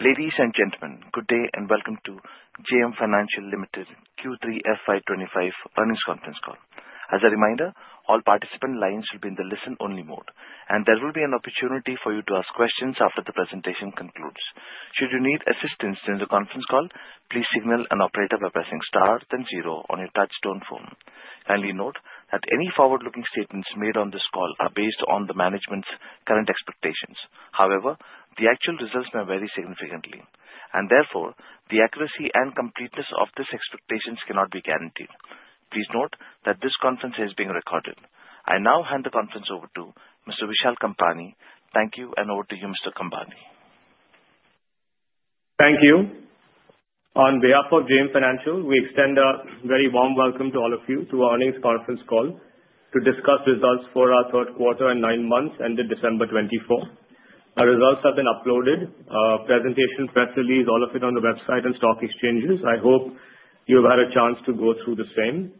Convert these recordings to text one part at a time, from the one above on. Ladies and gentlemen, good day and welcome to JM Financial Limited Q3 FY25 earnings conference call. As a reminder, all participant lines will be in the listen-only mode, and there will be an opportunity for you to ask questions after the presentation concludes. Should you need assistance during the conference call, please signal an operator by pressing star then zero on your touch-tone phone. Kindly note that any forward-looking statements made on this call are based on the management's current expectations. However, the actual results may vary significantly, and therefore, the accuracy and completeness of these expectations cannot be guaranteed. Please note that this conference is being recorded. I now hand the conference over to Mr. Vishal Kampani. Thank you, and over to you, Mr. Kampani. Thank you. On behalf of JM Financial, we extend a very warm welcome to all of you to our earnings conference call to discuss results for our third quarter and nine months ended December 2024. Our results have been uploaded, presentation, press release, all of it on the website and stock exchanges. I hope you've had a chance to go through the same.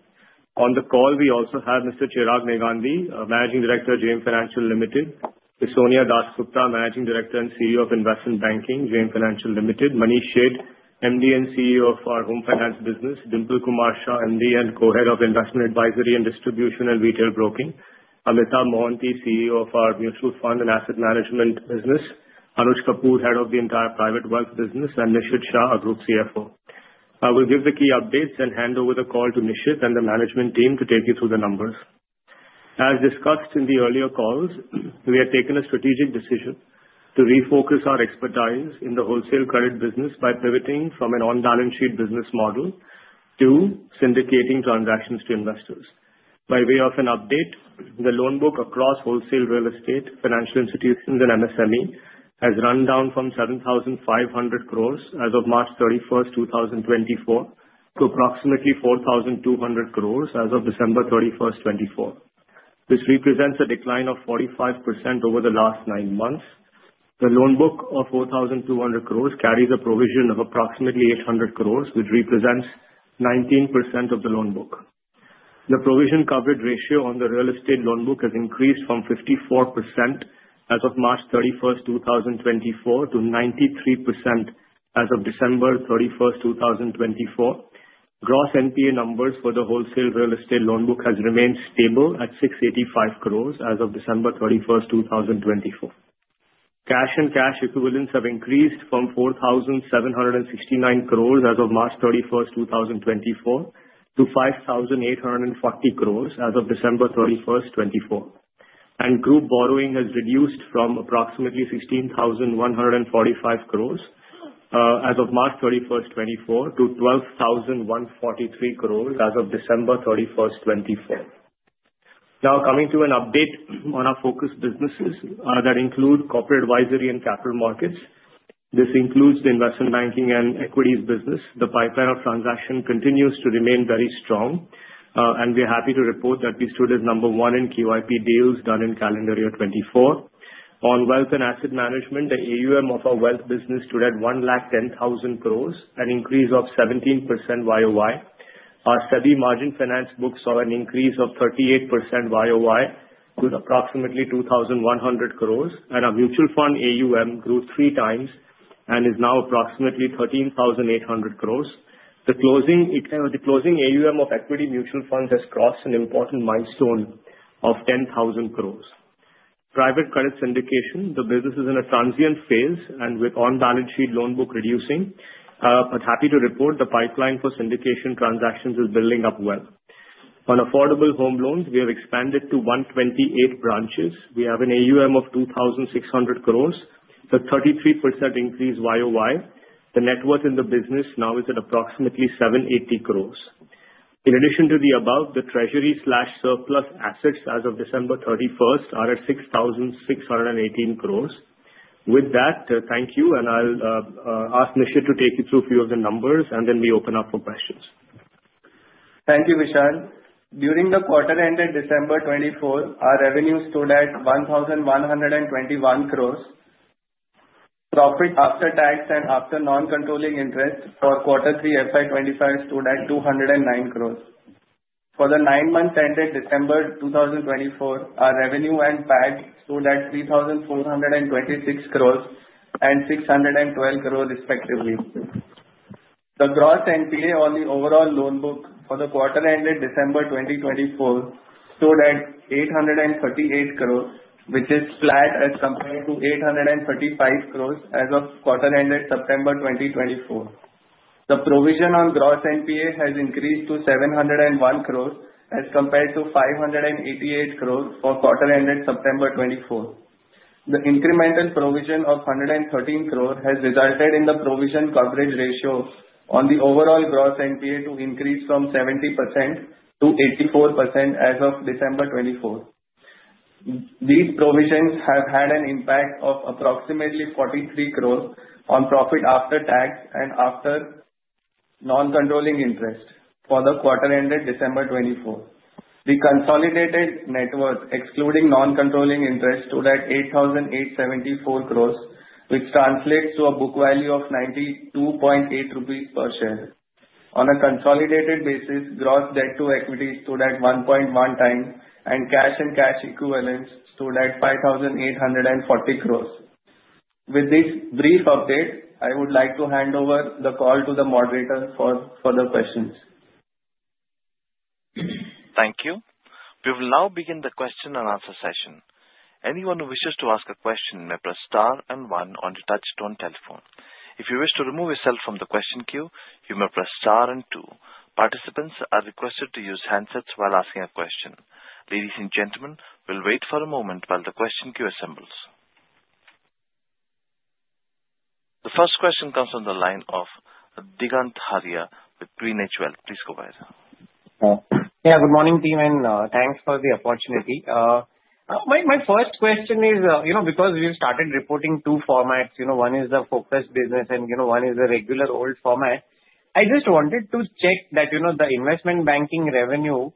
On the call, we also have Mr. Chirag Meghani, Managing Director, JM Financial Limited, Sonia Dasgupta, Managing Director and CEO of Investment Banking, JM Financial Limited, Manish Sheth, MD and CEO of our Home Finance Business, Dimplekumar Shah, MD and Co-Head of Investment Advisory and Distribution and Retail Broking, Amitabh Mohanty, CEO of our Mutual Fund and Asset Management Business, Anuj Kapoor, Head of the Entire Private Wealth Business, and Nishith Shah, our Group CFO. I will give the key updates and hand over the call to Nishith and the management team to take you through the numbers. As discussed in the earlier calls, we have taken a strategic decision to refocus our expertise in the wholesale credit business by pivoting from an on-balance sheet business model to syndicating transactions to investors. By way of an update, the loan book across wholesale real estate, financial institutions, and MSME has run down from 7,500 crores as of March 31st, 2024, to approximately 4,200 crores as of December 31st, 2024. This represents a decline of 45% over the last nine months. The loan book of 4,200 crores carries a provision of approximately 800 crores, which represents 19% of the loan book. The provision coverage ratio on the real estate loan book has increased from 54% as of March 31st, 2024, to 93% as of December 31st, 2024. Gross NPA numbers for the wholesale real estate loan book have remained stable at 685 crores as of December 31st, 2024. Cash and cash equivalents have increased from 4,769 crores as of March 31st, 2024, to 5,840 crores as of December 31st, 2024. And group borrowing has reduced from approximately 16,145 crores as of March 31st, 2024, to 12,143 crores as of December 31st, 2024. Now, coming to an update on our focus businesses that include corporate advisory and capital markets. This includes the investment banking and equities business. The pipeline of transaction continues to remain very strong, and we're happy to report that we stood as number one in QIP deals done in calendar year 2024. On wealth and asset management, the AUM of our wealth business stood at 110,000 crores, an increase of 17% YOY. Our margin finance books saw an increase of 38% YOY to approximately 2,100 crores, and our mutual fund AUM grew three times and is now approximately 13,800 crores. The closing AUM of equity mutual funds has crossed an important milestone of 10,000 crores. Private credit syndication, the business is in a transient phase, and with on-balance sheet loan book reducing, but happy to report the pipeline for syndication transactions is building up well. On affordable home loans, we have expanded to 128 branches. We have an AUM of 2,600 crores, a 33% increase YOY. The net worth in the business now is at approximately 780 crores. In addition to the above, the treasury/surplus assets as of December 31st are at 6,618 crores. With that, thank you, and I'll ask Nishith to take you through a few of the numbers, and then we open up for questions. Thank you, Vishal. During the quarter-end at December 2024, our revenue stood at 1,121 crores. Profit after tax and after non-controlling interest for Q3 FY25 stood at 209 crores. For the nine months ended December 2024, our revenue and PAG stood at 3,426 crores and 612 crores, respectively. The gross NPA on the overall loan book for the quarter-end at December 2024 stood at 838 crores, which is flat as compared to 835 crores as of quarter-end at September 2024. The provision on gross NPA has increased to 701 crores as compared to 588 crores for quarter-end at September 2024. The incremental provision of 113 crores has resulted in the provision coverage ratio on the overall gross NPA to increase from 70%-84% as of December 2024. These provisions have had an impact of approximately 43 crores on profit after tax and after non-controlling interest for the quarter-end at December 2024. The consolidated net worth, excluding non-controlling interest, stood at 8,874 crores, which translates to a book value of 92.8 rupees per share. On a consolidated basis, gross debt to equity stood at 1.1 times, and cash and cash equivalents stood at 5,840 crores. With this brief update, I would like to hand over the call to the moderator for further questions. Thank you. We will now begin the question and answer session. Anyone who wishes to ask a question may press star and one on the touch-tone telephone. If you wish to remove yourself from the question queue, you may press star and two. Participants are requested to use handsets while asking a question. Ladies and gentlemen, we'll wait for a moment while the question queue assembles. The first question comes from the line of Digant Haria with GreenEdge Wealth. Please go ahead. Yeah, good morning, team. Thanks for the opportunity. My first question is, because we've started reporting two formats, one is the focused business and one is the regular old format, I just wanted to check that the investment banking revenue,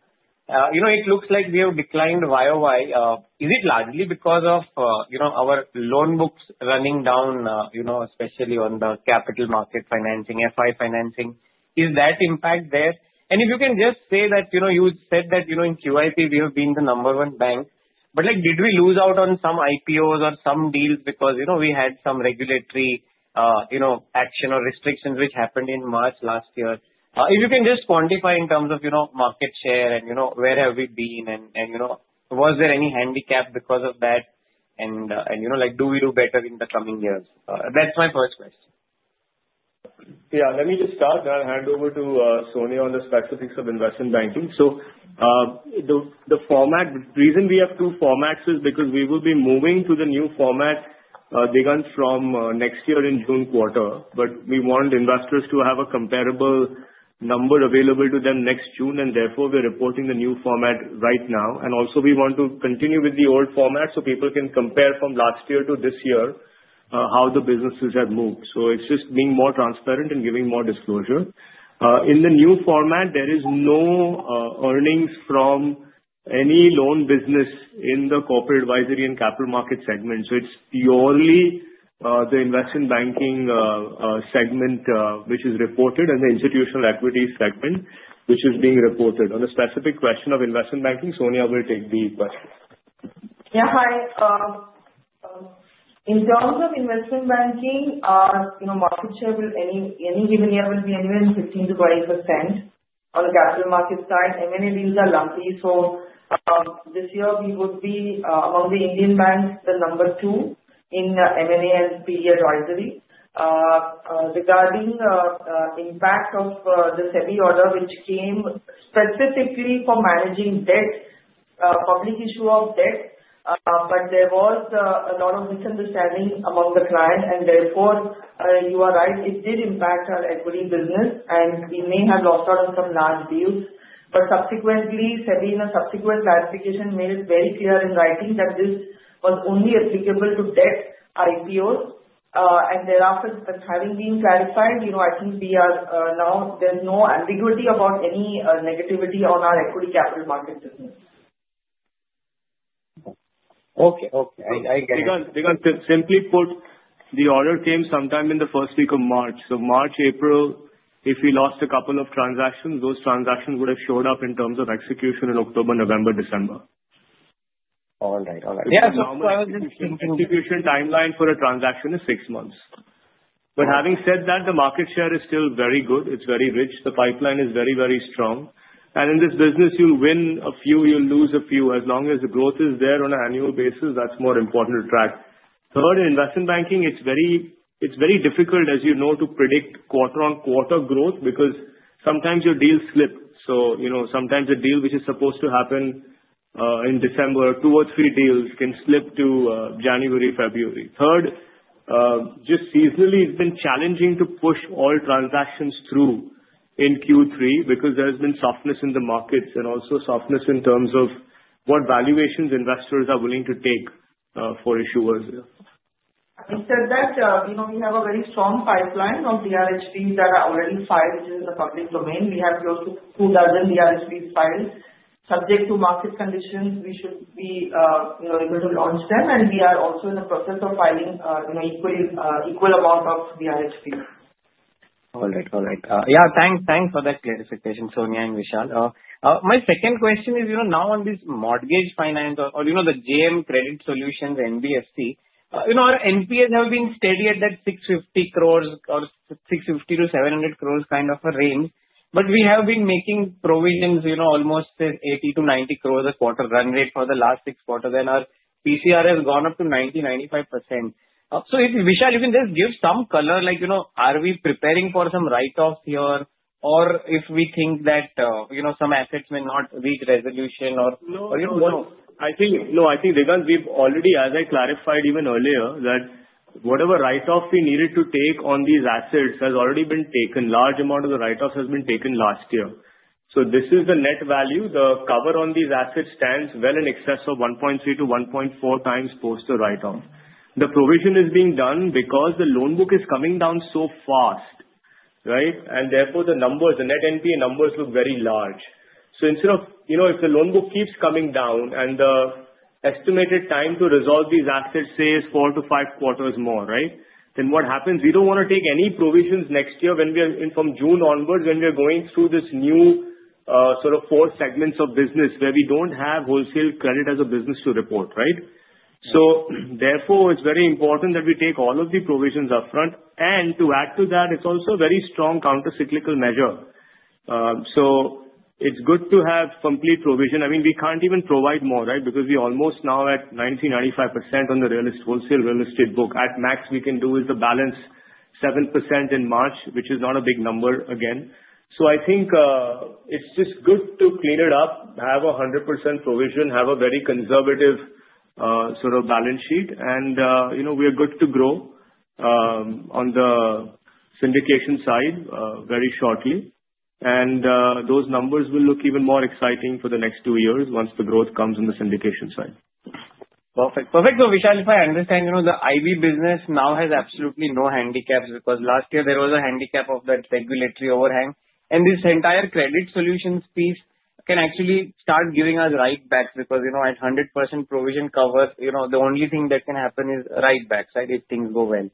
it looks like we have declined YOY. Is it largely because of our loan books running down, especially on the capital market financing, FI financing? Is that impact there? And if you can just say that you said that in QIP, we have been the number one bank, but did we lose out on some IPOs or some deals because we had some regulatory action or restrictions which happened in March last year? If you can just quantify in terms of market share and where have we been, and was there any handicap because of that, and do we do better in the coming years? That's my first question. Yeah, let me just start and hand over to Sonia on the specifics of investment banking so the format, the reason we have two formats is because we will be moving to the new format, Digant, from next year in June quarter, but we want investors to have a comparable number available to them next June, and therefore, we're reporting the new format right now and also, we want to continue with the old format so people can compare from last year to this year how the businesses have moved so it's just being more transparent and giving more disclosure. In the new format, there is no earnings from any loan business in the corporate advisory and capital market segment so it's purely the investment banking segment which is reported and the institutional equity segment which is being reported. On the specific question of investment banking, Sonia will take the question. Yeah, hi. In terms of investment banking, market share in any given year will be anywhere in 15%-20% on the capital market side. M&A deals are lumpy, so this year, we would be among the Indian banks the number two in M&A and PE advisory. Regarding the impact of the SEBI order, which came specifically for managing debt, public issue of debt, but there was a lot of misunderstanding among the clients, and therefore, you are right, it did impact our equity business, and we may have lost out on some large deals. But subsequently, SEBI, subsequent clarification made it very clear in writing that this was only applicable to debt IPOs. And thereafter, having been clarified, I think there's now no ambiguity about any negativity on our equity capital market business. Okay, okay. I get it. Digant, simply put, the order came sometime in the first week of March. So March, April, if we lost a couple of transactions, those transactions would have showed up in terms of execution in October, November, December. All right, all right. Yeah, so normally, the execution timeline for a transaction is six months. But having said that, the market share is still very good. It's very rich. The pipeline is very, very strong. And in this business, you'll win a few, you'll lose a few. As long as the growth is there on an annual basis, that's more important to track. Third, in investment banking, it's very difficult, as you know, to predict quarter-on-quarter growth because sometimes your deals slip. So sometimes a deal which is supposed to happen in December, two or three deals can slip to January, February. Third, just seasonally, it's been challenging to push all transactions through in Q3 because there has been softness in the markets and also softness in terms of what valuations investors are willing to take for issuers. I said that we have a very strong pipeline of DRHPs that are already filed in the public domain. We have close to 2,000 DRHPs filed. Subject to market conditions, we should be able to launch them, and we are also in the process of filing an equal amount of DRHP. All right, all right. Yeah, thanks for that clarification, Sonia and Vishal. My second question is, now on this mortgage finance or the JM Credit Solutions NBFC, our NPAs have been steady at that 650 crores or 650-700 crores kind of a range, but we have been making provisions almost 80-90 crores a quarter run rate for the last six quarters, and our PCR has gone up to 90%-95%. So Vishal, if you can just give some color, are we preparing for some write-offs here, or if we think that some assets may not reach resolution or? No, no, no. I think, Digant, we've already, as I clarified even earlier, that whatever write-off we needed to take on these assets has already been taken. Large amount of the write-offs has been taken last year, so this is the net value. The cover on these assets stands well in excess of 1.3-1.4 times post the write-off. The provision is being done because the loan book is coming down so fast, right? And therefore, the numbers, the net NPA numbers look very large, so instead of if the loan book keeps coming down and the estimated time to resolve these assets, say, is four-to-five quarters more, right? Then what happens? We don't want to take any provisions next year from June onwards when we're going through this new sort of four segments of business where we don't have wholesale credit as a business to report, right? So therefore, it's very important that we take all of the provisions upfront, and to add to that, it's also a very strong countercyclical measure, so it's good to have complete provision. I mean, we can't even provide more, right, because we're almost now at 90%-95% on the wholesale real estate book. At max, we can do with the balance 7% in March, which is not a big number again, so I think it's just good to clean it up, have a 100% provision, have a very conservative sort of balance sheet, and we are good to grow on the syndication side very shortly. Those numbers will look even more exciting for the next two years once the growth comes on the syndication side. Perfect, perfect. So Vishal, if I understand, the IB business now has absolutely no handicaps because last year, there was a handicap of that regulatory overhang. And this entire credit solutions piece can actually start giving us write-backs because at 100% provision cover, the only thing that can happen is write-backs, right, if things go well.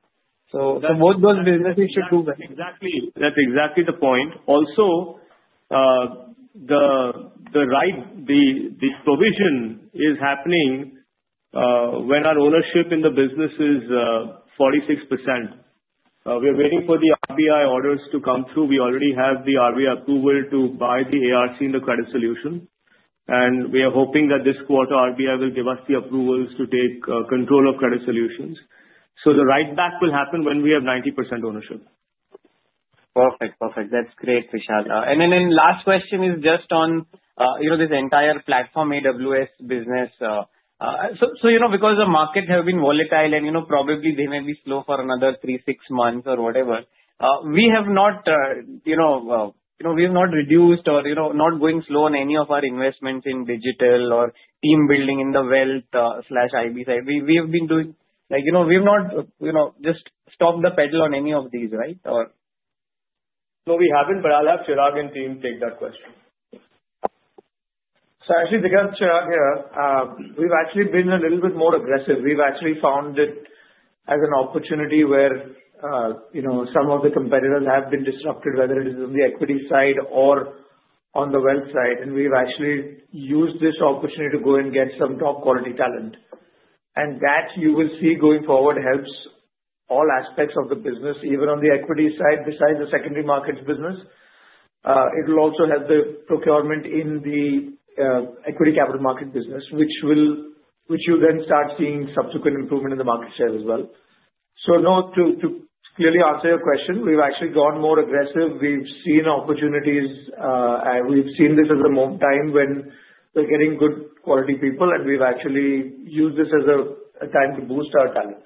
So both those businesses should do well. Exactly. That's exactly the point. Also, the provision is happening when our ownership in the business is 46%. We are waiting for the RBI orders to come through. We already have the RBI approval to buy the ARC and the Credit Solutions, and we are hoping that this quarter, RBI will give us the approvals to take control of Credit Solutions, so the write back will happen when we have 90% ownership. Perfect, perfect. That's great, Vishal. And then last question is just on this entire platform AWS business. So because the markets have been volatile and probably they may be slow for another three, six months or whatever, we have not reduced or not going slow on any of our investments in digital or team building in the wealth/IB side. We have not just stopped the pedal on any of these, right? No, we haven't, but I'll have Chirag and Team take that question. So actually, Digant, Chirag here. We've actually been a little bit more aggressive. We've actually found it as an opportunity where some of the competitors have been disrupted, whether it is on the equity side or on the wealth side. And we've actually used this opportunity to go and get some top-quality talent. And that, you will see going forward, helps all aspects of the business, even on the equity side, besides the secondary markets business. It will also help the procurement in the equity capital market business, which you'll then start seeing subsequent improvement in the market share as well. So to clearly answer your question, we've actually gone more aggressive. We've seen opportunities. We've seen this as a time when we're getting good quality people, and we've actually used this as a time to boost our talent.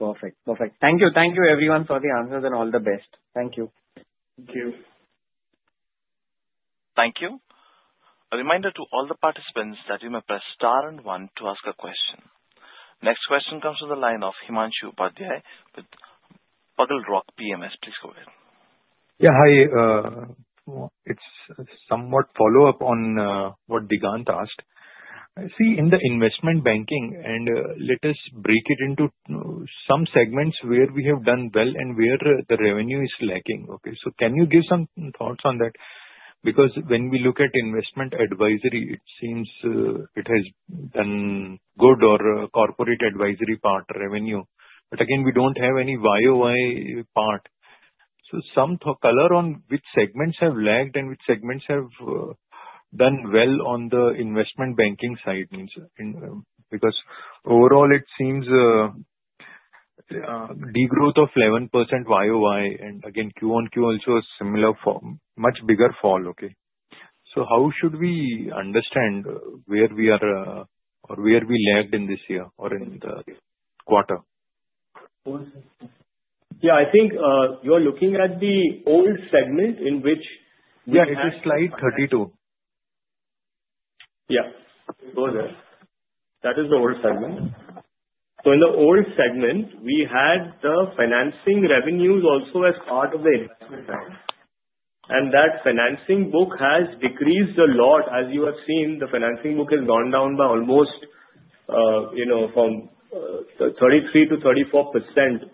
Perfect, perfect. Thank you. Thank you, everyone, for the answers and all the best. Thank you. Thank you. Thank you. A reminder to all the participants that you may press star and one to ask a question. Next question comes from the line of Himanshu Upadhyay with Buglerock Capital. Please go ahead. Yeah, hi. It's somewhat follow-up on what Digant asked. See, in the investment banking, and let us break it into some segments where we have done well and where the revenue is lacking. Okay, so can you give some thoughts on that? Because when we look at investment advisory, it seems it has done good or corporate advisory part revenue. But again, we don't have any YOY part. So some color on which segments have lagged and which segments have done well on the investment banking side means because overall, it seems degrowth of 11% YOY and again, Q1, Q2 also a much bigger fall, okay? So how should we understand where we are or where we lagged in this year or in the quarter? Yeah, I think you are looking at the old segment in which. Yeah, it is slide 32. Yeah, go there. That is the old segment. So in the old segment, we had the financing revenues also as part of the investment bank. And that financing book has decreased a lot. As you have seen, the financing book has gone down by almost 33%-34%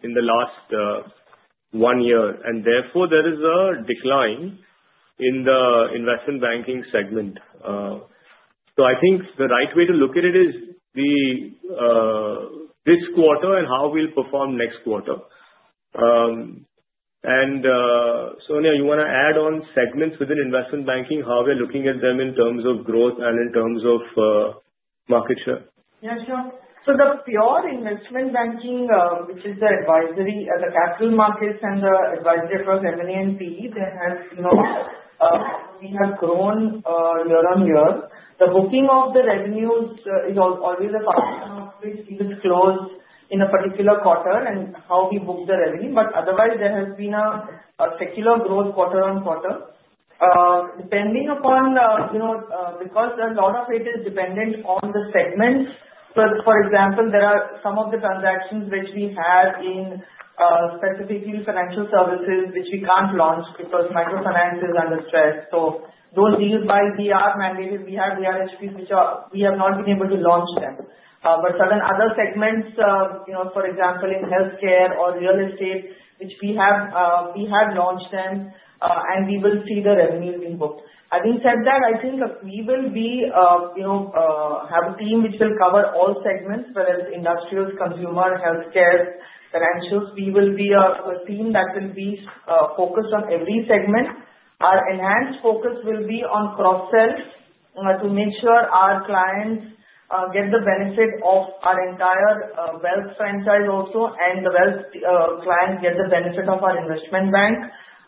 in the last one year. And therefore, there is a decline in the investment banking segment. So I think the right way to look at it is this quarter and how we'll perform next quarter. And Sonia, you want to add on segments within investment banking, how we're looking at them in terms of growth and in terms of market share? Yeah, sure. So the pure investment banking, which is the advisory at the capital markets and the advisory across M&A and PE, we have grown year on year. The booking of the revenues is always a function of which we would close in a particular quarter and how we book the revenue. But otherwise, there has been a secular growth quarter on quarter. Depending upon because a lot of it is dependent on the segments. So for example, there are some of the transactions which we have in specifically financial services, which we can't launch because microfinance is under stress. So those deals by Warburg mandated, we have DRHPs, which we have not been able to launch them. But certain other segments, for example, in healthcare or real estate, which we have launched them, and we will see the revenues being booked. Having said that, I think we will have a team which will cover all segments, whether it's industrials, consumer, healthcare, financials. We will be a team that will be focused on every segment. Our enhanced focus will be on cross-sell to make sure our clients get the benefit of our entire wealth franchise also, and the wealth clients get the benefit of our investment bank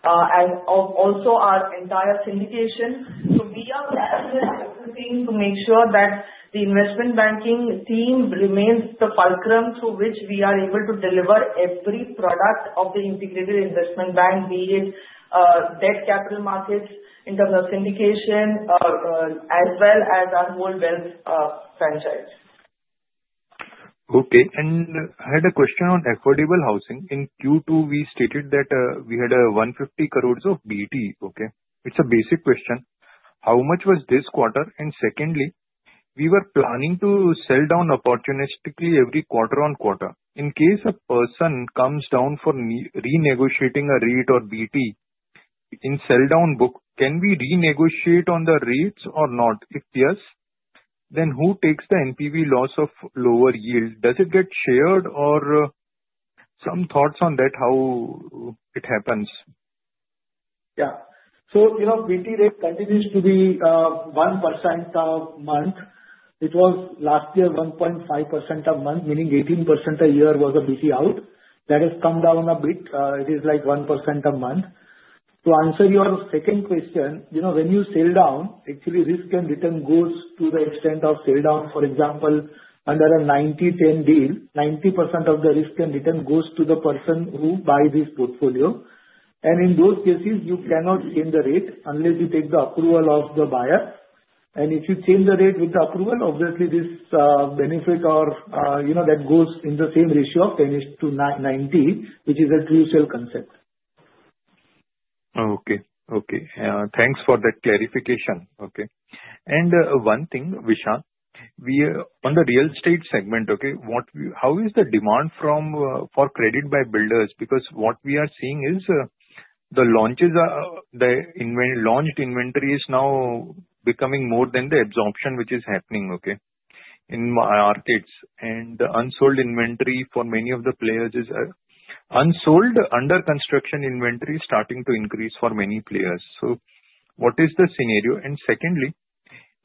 and also our entire syndication. So we are passionate about this thing to make sure that the investment banking team remains the fulcrum through which we are able to deliver every product of the integrated investment bank, be it debt capital markets in terms of syndication, as well as our whole wealth franchise. Okay. And I had a question on affordable housing. In Q2, we stated that we had 150 crores of BT. Okay, it's a basic question. How much was this quarter? And secondly, we were planning to sell down opportunistically every quarter on quarter. In case a person comes down for renegotiating a rate or BT in sell down book, can we renegotiate on the rates or not? If yes, then who takes the NPV loss of lower yield? Does it get shared or some thoughts on that, how it happens? Yeah. So BT rate continues to be 1% a month. It was last year 1.5% a month, meaning 18% a year was a BT out. That has come down a bit. It is like 1% a month. To answer your second question, when you sell down, actually risk and return goes to the extent of sell down. For example, under a 90-10 deal, 90% of the risk and return goes to the person who buys this portfolio. And in those cases, you cannot change the rate unless you take the approval of the buyer. And if you change the rate with the approval, obviously this benefit or that goes in the same ratio of 10 to 90, which is a true sell concept. Okay, okay. Thanks for that clarification. Okay. And one thing, Vishal, on the real estate segment, okay, how is the demand for credit by builders? Because what we are seeing is the launched inventory is now becoming more than the absorption which is happening, okay, in markets. And the unsold inventory for many of the players is unsold under construction inventory starting to increase for many players. So what is the scenario? And secondly,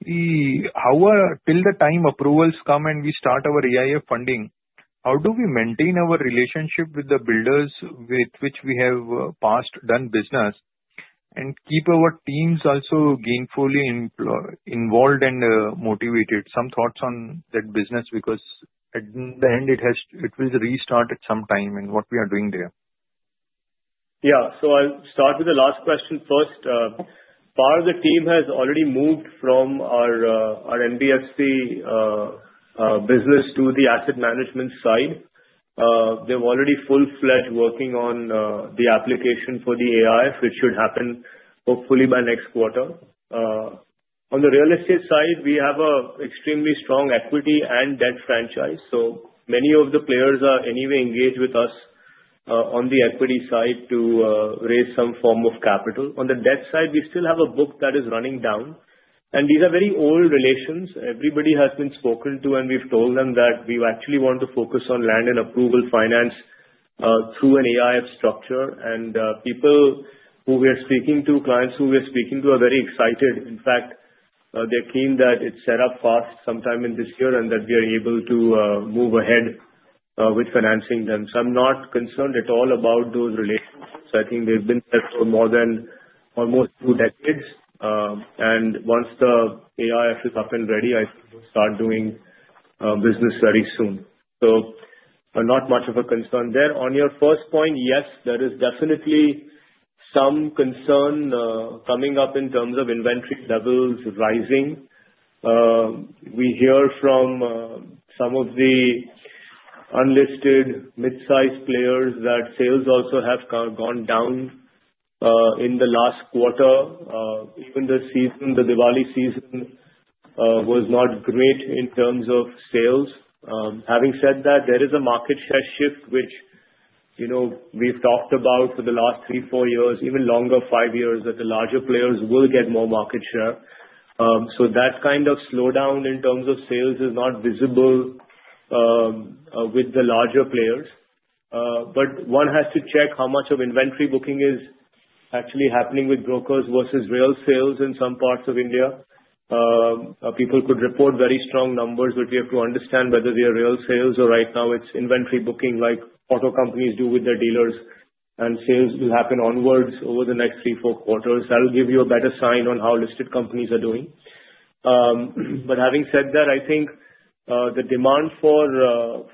till the time approvals come and we start our AIF funding, how do we maintain our relationship with the builders with which we have past done business and keep our teams also gainfully involved and motivated? Some thoughts on that business because at the end, it will restart at some time and what we are doing there. Yeah. So I'll start with the last question first. Part of the team has already moved from our NBFC business to the asset management side. They're already fully fledged working on the application for the AIF, which should happen hopefully by next quarter. On the real estate side, we have an extremely strong equity and debt franchise. So many of the players are anyway engaged with us on the equity side to raise some form of capital. On the debt side, we still have a book that is running down. And these are very old relations. Everybody has been spoken to, and we've told them that we actually want to focus on land and approval finance through an AIF structure. And people who we are speaking to, clients who we are speaking to, are very excited. In fact, they're keen that it's set up fast sometime in this year and that we are able to move ahead with financing them. So I'm not concerned at all about those relations. So I think they've been there for more than almost two decades. And once the AIF is up and ready, I think we'll start doing business very soon. So not much of a concern there. On your first point, yes, there is definitely some concern coming up in terms of inventory levels rising. We hear from some of the unlisted mid-sized players that sales also have gone down in the last quarter. Even the season, the Diwali season, was not great in terms of sales. Having said that, there is a market share shift, which we've talked about for the last three, four years, even longer, five years, that the larger players will get more market share. So that kind of slowdown in terms of sales is not visible with the larger players. But one has to check how much of inventory booking is actually happening with brokers versus real sales in some parts of India. People could report very strong numbers, but we have to understand whether they are real sales or right now it's inventory booking like auto companies do with their dealers, and sales will happen onwards over the next three, four quarters. That will give you a better sign on how listed companies are doing. But having said that, I think the demand for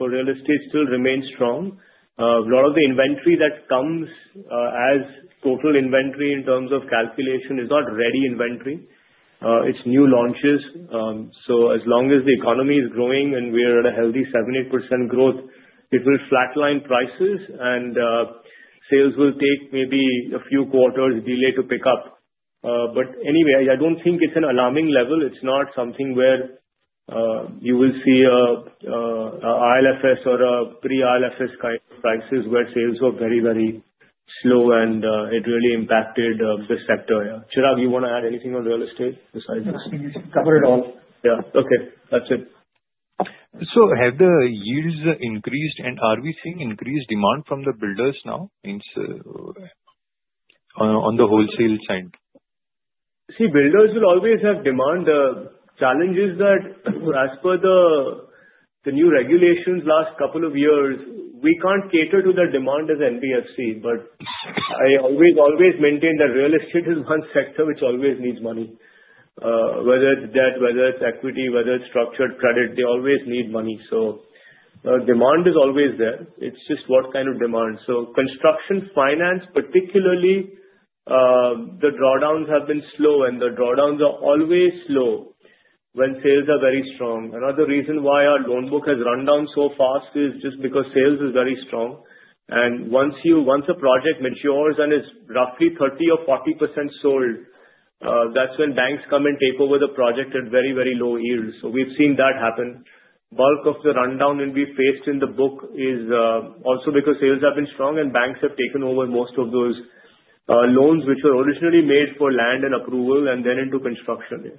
real estate still remains strong. A lot of the inventory that comes as total inventory in terms of calculation is not ready inventory. It's new launches. As long as the economy is growing and we are at a healthy 70% growth, it will flatline prices, and sales will take maybe a few quarters delay to pick up. But anyway, I don't think it's an alarming level. It's not something where you will see an IL&FS or a pre-IL&FS kind of prices where sales were very, very slow, and it really impacted the sector. Chirag, you want to add anything on real estate besides this? No, I think you covered it all. Yeah. Okay. That's it. So have the yields increased, and are we seeing increased demand from the builders now on the wholesale side? See, builders will always have demand. The challenge is that as per the new regulations last couple of years, we can't cater to the demand as NBFC, but I always maintain that real estate is one sector which always needs money. Whether it's debt, whether it's equity, whether it's structured credit, they always need money. Demand is always there. It's just what kind of demand. Construction finance, particularly, the drawdowns have been slow, and the drawdowns are always slow when sales are very strong. Another reason why our loan book has run down so fast is just because sales is very strong. Once a project matures and is roughly 30% or 40% sold, that's when banks come and take over the project at very, very low yields. We've seen that happen. bulk of the rundown we faced in the book is also because sales have been strong, and banks have taken over most of those loans which were originally made for land and approval and then into construction.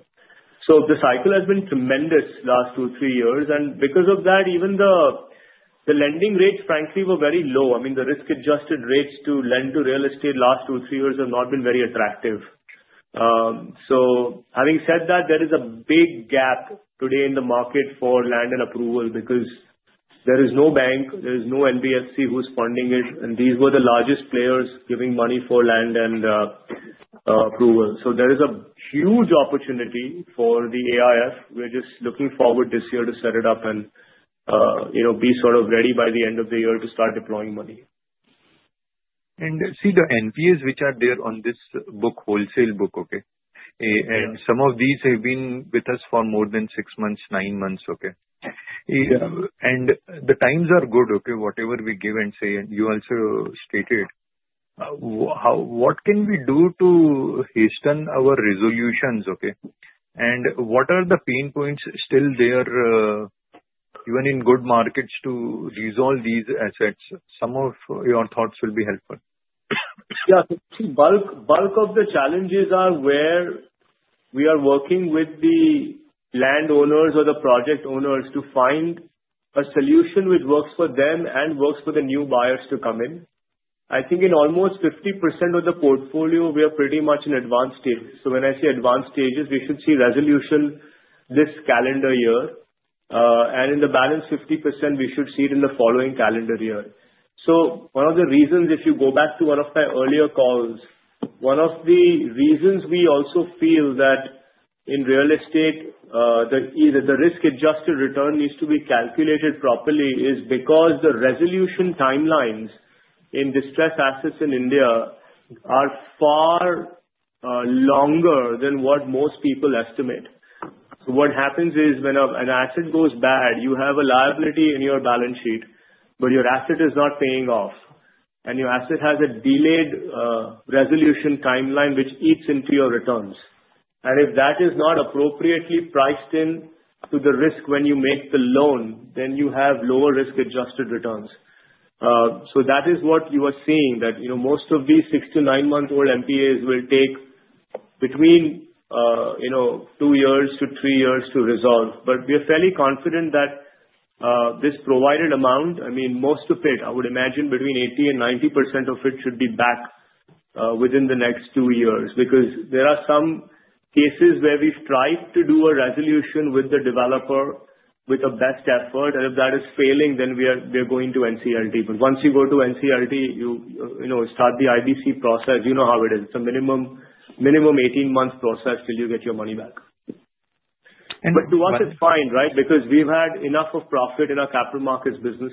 So the cycle has been tremendous last two, three years. And because of that, even the lending rates, frankly, were very low. I mean, the risk-adjusted rates to lend to real estate last two, three years have not been very attractive. So having said that, there is a big gap today in the market for land and approval because there is no bank, there is no NBFC who's funding it, and these were the largest players giving money for land and approval. So there is a huge opportunity for the AIF. We're just looking forward this year to set it up and be sort of ready by the end of the year to start deploying money. And see, the NPAs which are there on this book, wholesale book, okay, and some of these have been with us for more than six months, nine months, okay. And the times are good, okay, whatever we give and say. And you also stated, what can we do to hasten our resolutions, okay? And what are the pain points still there, even in good markets, to resolve these assets? Some of your thoughts will be helpful. Yeah. See, bulk of the challenges are where we are working with the landowners or the project owners to find a solution which works for them and works for the new buyers to come in. I think in almost 50% of the portfolio, we are pretty much in advanced stages. So when I say advanced stages, we should see resolution this calendar year. And in the balance 50%, we should see it in the following calendar year. So one of the reasons, if you go back to one of my earlier calls, one of the reasons we also feel that in real estate, the risk-adjusted return needs to be calculated properly is because the resolution timelines in distressed assets in India are far longer than what most people estimate. So what happens is when an asset goes bad, you have a liability in your balance sheet, but your asset is not paying off, and your asset has a delayed resolution timeline which eats into your returns. And if that is not appropriately priced into the risk when you make the loan, then you have lower risk-adjusted returns. So that is what you are seeing, that most of these 6-9-month-old NPAs will take between 2-3 years to resolve. But we are fairly confident that this provisioned amount, I mean, most of it, I would imagine between 80% and 90% of it should be back within the next two years because there are some cases where we've tried to do a resolution with the developer with the best effort. And if that is failing, then we are going to NCLT. But once you go to NCLT, you start the IBC process. You know how it is. It's a minimum 18-month process till you get your money back. But to us, it's fine, right? Because we've had enough of profit in our capital markets business.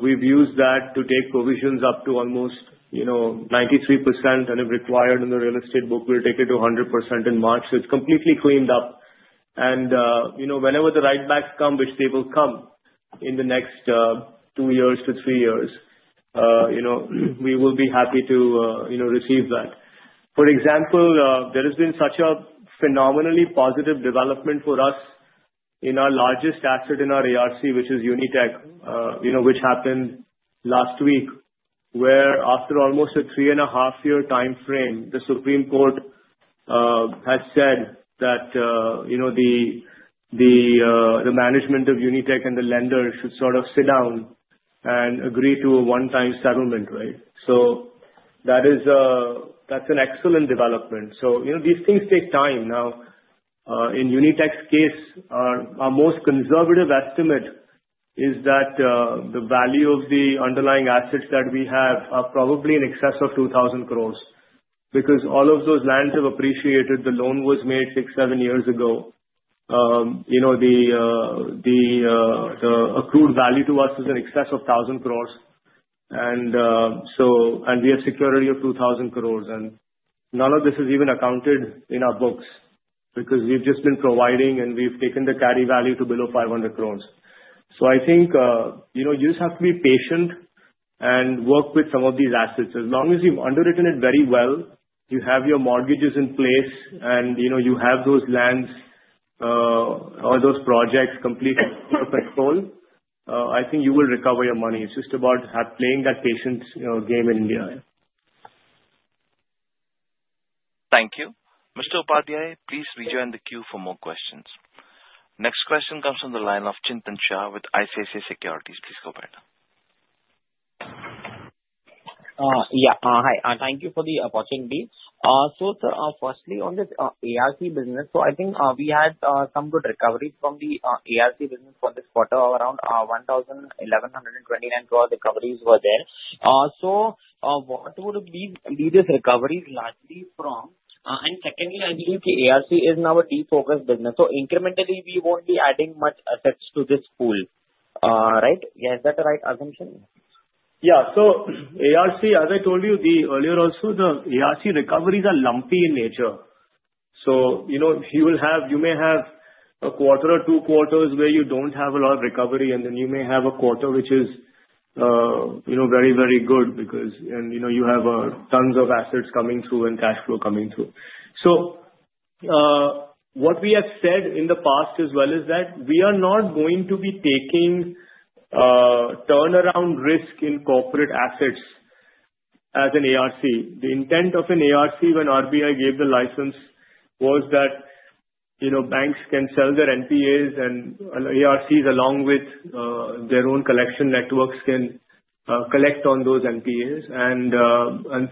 We've used that to take provisions up to almost 93%, and if required in the real estate book, we'll take it to 100% in March. So it's completely cleaned up. And whenever the write-backs come, which they will come in the next two-to-three years, we will be happy to receive that. For example, there has been such a phenomenally positive development for us in our largest asset in our ARC, which is Unitech, which happened last week, where after almost a three-and-a-half-year time frame, the Supreme Court has said that the management of Unitech and the lender should sort of sit down and agree to a one-time settlement, right? So that's an excellent development. So these things take time. Now, in Unitech's case, our most conservative estimate is that the value of the underlying assets that we have are probably in excess of 2,000 crores because all of those lands have appreciated. The loan was made six, seven years ago. The accrued value to us is in excess of 1,000 crores. And we have security of 2,000 crores. And none of this is even accounted in our books because we've just been providing, and we've taken the carry value to below 500 crores. So I think you just have to be patient and work with some of these assets. As long as you've underwritten it very well, you have your mortgages in place, and you have those lands or those projects completely under control, I think you will recover your money. It's just about playing that patience game in India. Thank you. Mr. Upadhyay, please rejoin the queue for more questions. Next question comes from the line of Chintan Shah with ICICI Securities. Please go ahead. Yeah. Hi. Thank you for the opportunity. So firstly, on this ARC business, so I think we had some good recovery from the ARC business for this quarter, around 1,129 crores recoveries were there. So what would be these recoveries largely from? And secondly, I believe the ARC is now a defocused business. So incrementally, we won't be adding much assets to this pool, right? Is that the right assumption? Yeah. So ARC, as I told you earlier, also the ARC recoveries are lumpy in nature. So you may have a quarter or two quarters where you don't have a lot of recovery, and then you may have a quarter which is very, very good because you have tons of assets coming through and cash flow coming through. So what we have said in the past as well is that we are not going to be taking turnaround risk in corporate assets as an ARC. The intent of an ARC when RBI gave the license was that banks can sell their NPAs, and ARCs, along with their own collection networks, can collect on those NPAs. And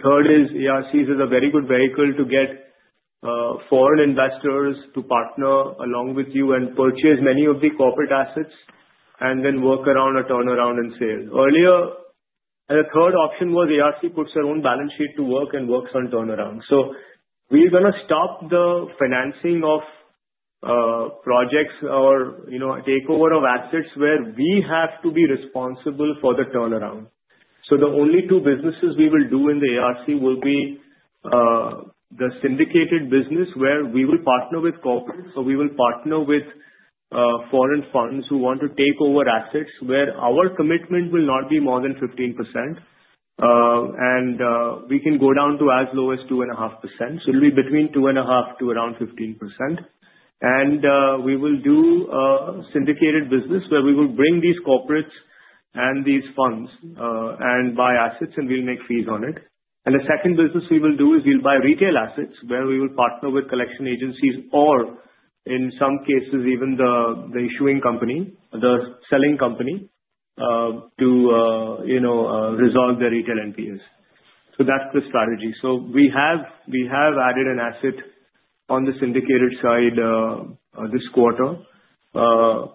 third is, ARCs are a very good vehicle to get foreign investors to partner along with you and purchase many of the corporate assets and then work around a turnaround in sales. Earlier, the third option was ARC puts their own balance sheet to work and works on turnaround. So we're going to stop the financing of projects or takeover of assets where we have to be responsible for the turnaround. So the only two businesses we will do in the ARC will be the syndicated business where we will partner with corporates. So we will partner with foreign funds who want to take over assets where our commitment will not be more than 15%. And we can go down to as low as 2.5%. So it'll be between 2.5% to around 15%. And we will do syndicated business where we will bring these corporates and these funds and buy assets, and we'll make fees on it. And the second business we will do is we'll buy retail assets where we will partner with collection agencies or, in some cases, even the issuing company, the selling company to resolve their retail NPAs. So that's the strategy. So we have added an asset on the syndicated side this quarter, but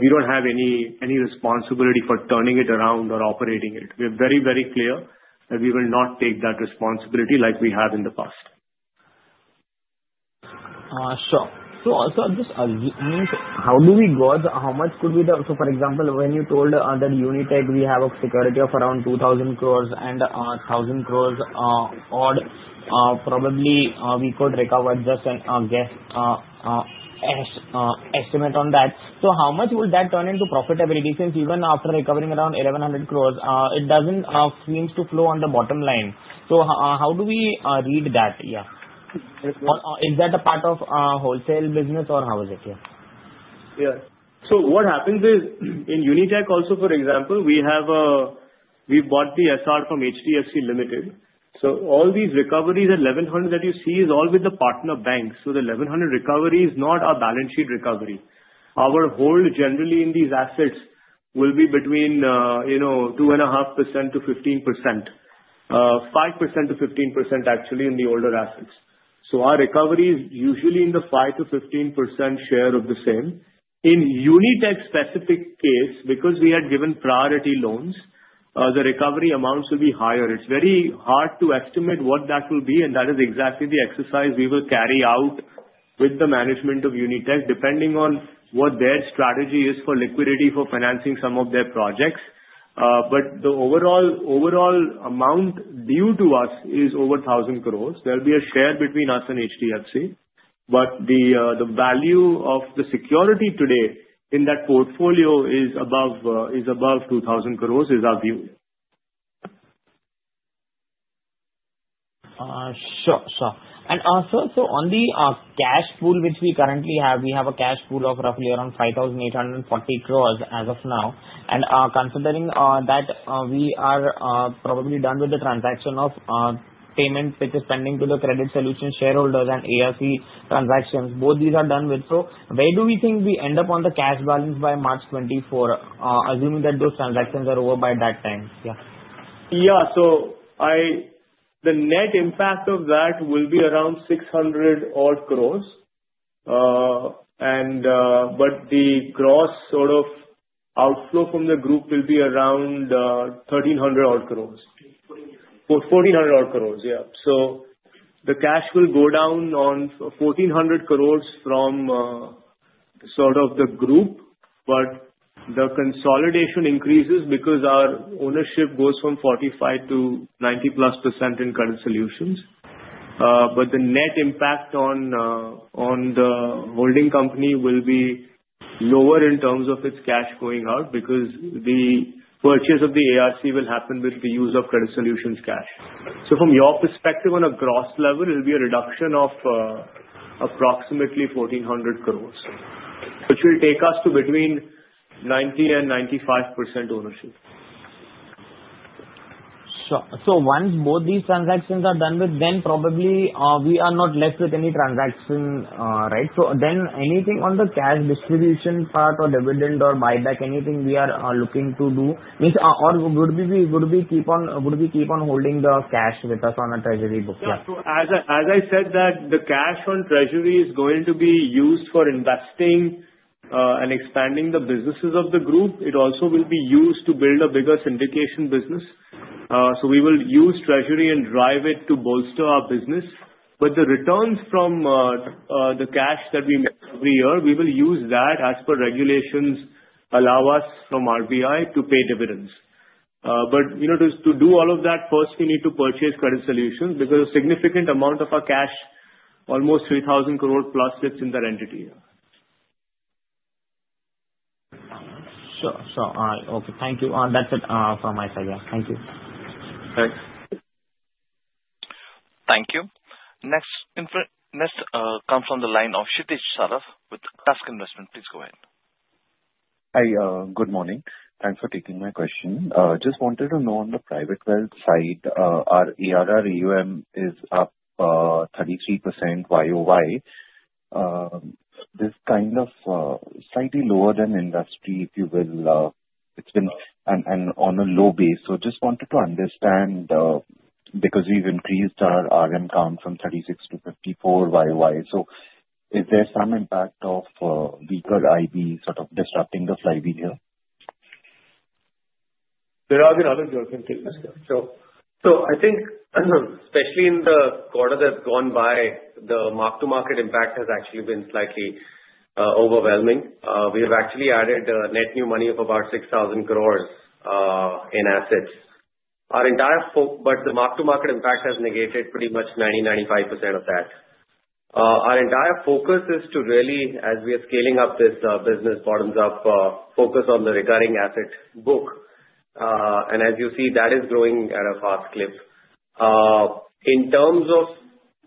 we don't have any responsibility for turning it around or operating it. We are very, very clear that we will not take that responsibility like we have in the past. Sure. Just a few minutes, how do we go? How much could we? For example, when you told that Unitech, we have a security of around 2,000 crores and 1,000 crores odd, probably we could recover just a guess estimate on that. How much will that turn into profitability? Since even after recovering around 1,100 crores, it doesn't seem to flow on the bottom line. How do we read that? Yeah. Is that a part of wholesale business, or how is it? Yeah. Yeah. So what happens is in Unitech also, for example, we've bought the SR from HDFC Limited. So all these recoveries at 1,100 that you see is all with the partner banks. So the 1,100 recovery is not our balance sheet recovery. Our hold generally in these assets will be between 2.5%-15%, 5%-15% actually in the older assets. So our recovery is usually in the 5%-15% share of the same. In Unitech-specific case, because we had given priority loans, the recovery amounts will be higher. It's very hard to estimate what that will be, and that is exactly the exercise we will carry out with the management of Unitech depending on what their strategy is for liquidity for financing some of their projects. But the overall amount due to us is over 1,000 crores. There'll be a share between us and HDFC, but the value of the security today in that portfolio is above 2,000 crores, is our view. Sure. Sure. And so on the cash pool which we currently have, we have a cash pool of roughly around 5,840 crores as of now. And considering that we are probably done with the transaction of payment which is pending to the Credit Solutions shareholders and ARC transactions, both these are done with. So where do we think we end up on the cash balance by March 2024, assuming that those transactions are over by that time? Yeah. Yeah. So the net impact of that will be around 600-odd crore, but the gross sort of outflow from the group will be around 1,300-odd crore. 1,400-odd crore, yeah. So the cash will go down on 1,400 crore from sort of the group, but the consolidation increases because our ownership goes from 45% to 90-plus% in Credit Solutions. But the net impact on the holding company will be lower in terms of its cash going out because the purchase of the ARC will happen with the use of Credit Solutions cash. So from your perspective on a gross level, it'll be a reduction of approximately 1,400 crore, which will take us to between 90% and 95% ownership. Sure. So once both these transactions are done with, then probably we are not left with any transaction, right? So then anything on the cash distribution part or dividend or buyback, anything we are looking to do, or would we keep on holding the cash with us on a treasury book? Yeah. Yeah, so as I said, the cash on treasury is going to be used for investing and expanding the businesses of the group. It also will be used to build a bigger syndication business. We will use treasury and drive it to bolster our business. But the returns from the cash that we make every year, we will use that as per regulations allow us from RBI to pay dividends. But to do all of that, first, we need to purchase JM Credit Solutions because a significant amount of our cash, almost 3,000 crore plus, sits in that entity. Sure. Sure. All right. Okay. Thank you. That's it from my side. Yeah. Thank you. Thanks. Thank you. Next comes from the line of Kshitij Saraf with Tusk Investments. Please go ahead. Hi. Good morning. Thanks for taking my question. Just wanted to know on the private wealth side, our AUM is up 33% YOY. This is kind of slightly lower than industry, if you will, and on a low base. So just wanted to understand because we've increased our RM count from 36-54 YOY. So is there some impact of weaker IV sort of disrupting the flywheel here? There have been other joking things. So I think, especially in the quarter that's gone by, the mark-to-market impact has actually been slightly overwhelming. We have actually added net new money of about 6,000 crores in assets. But the mark-to-market impact has negated pretty much 90%-95% of that. Our entire focus is to really, as we are scaling up this business, bottoms-up focus on the recurring asset book. And as you see, that is growing at a fast clip. In terms of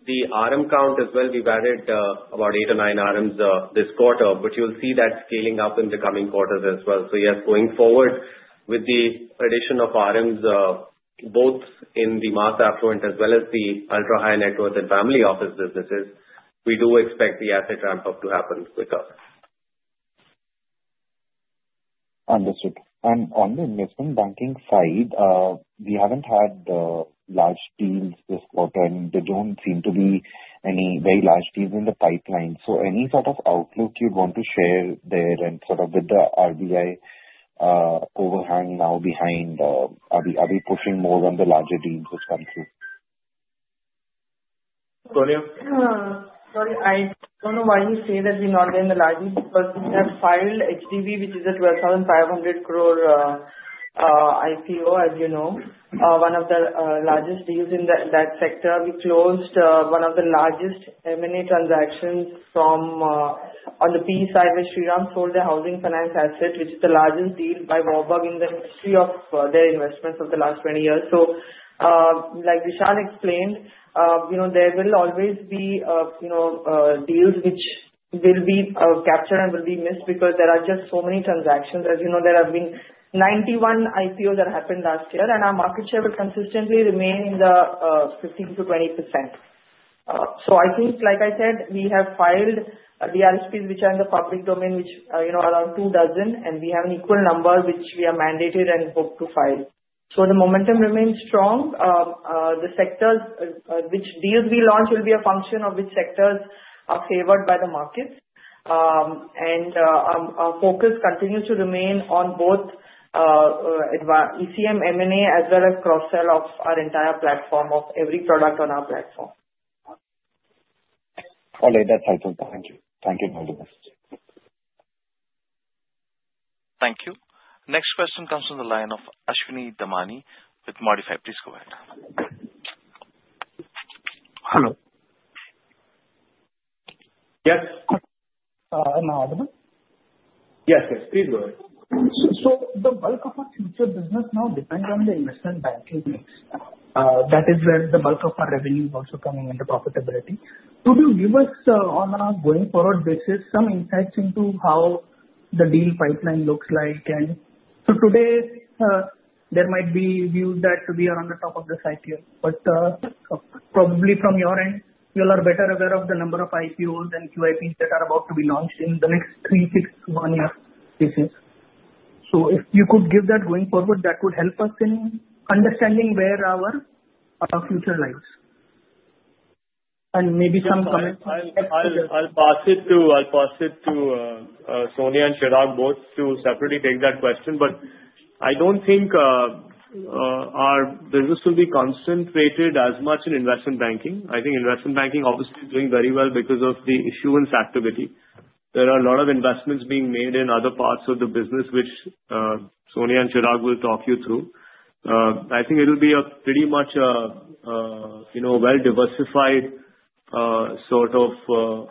the RM count as well, we've added about eight or nine RMs this quarter, but you'll see that scaling up in the coming quarters as well. So yes, going forward with the addition of RMs, both in the mass affluent as well as the ultra-high net worth and family office businesses, we do expect the asset ramp-up to happen quicker. Understood. And on the investment banking side, we haven't had large deals this quarter, and there don't seem to be any very large deals in the pipeline. So any sort of outlook you want to share there and sort of with the RBI overhang now behind? Are we pushing more on the larger deals which come through? Sonia. Sorry. I don't know why you say that we're not getting the largest because we have filed HDB, which is a 12,500 crore IPO, as you know, one of the largest deals in that sector. We closed one of the largest M&A transactions on the PE side where Shriram sold their housing finance asset, which is the largest deal by Warburg in the history of their investments of the last 20 years. Like Vishal explained, there will always be deals which will be captured and will be missed because there are just so many transactions. As you know, there have been 91 IPOs that happened last year, and our market share will consistently remain in the 15%-20%. I think, like I said, we have filed the DRHPs which are in the public domain, which are around two dozen, and we have an equal number which we are mandated and hope to file. The momentum remains strong. The sectors which deals we launch will be a function of which sectors are favored by the markets. Our focus continues to remain on both ECM, M&A, as well as cross-sell of our entire platform of every product on our platform. All right. That's helpful. Thank you. Thank you. Thank you. Next question comes from the line of. Please go ahead. Hello. Yes. Now audible? Yes, yes. Please go ahead. So the bulk of our future business now depends on the investment banking mix. That is where the bulk of our revenue is also coming into profitability. Could you give us, on a going-forward basis, some insights into how the deal pipeline looks like? And so today, there might be views that we are on the top of the cycle, but probably from your end, you'll be better aware of the number of IPOs and QIPs that are about to be launched in the next three, six, one year basis. So if you could give that going forward, that would help us in understanding where our future lies. And maybe some comments. I'll pass it to Sonia and Chirag both to separately take that question, but I don't think our business will be concentrated as much in investment banking. I think investment banking obviously is doing very well because of the issuance activity. There are a lot of investments being made in other parts of the business, which Sonia and Chirag will talk you through. I think it'll be pretty much a well-diversified sort of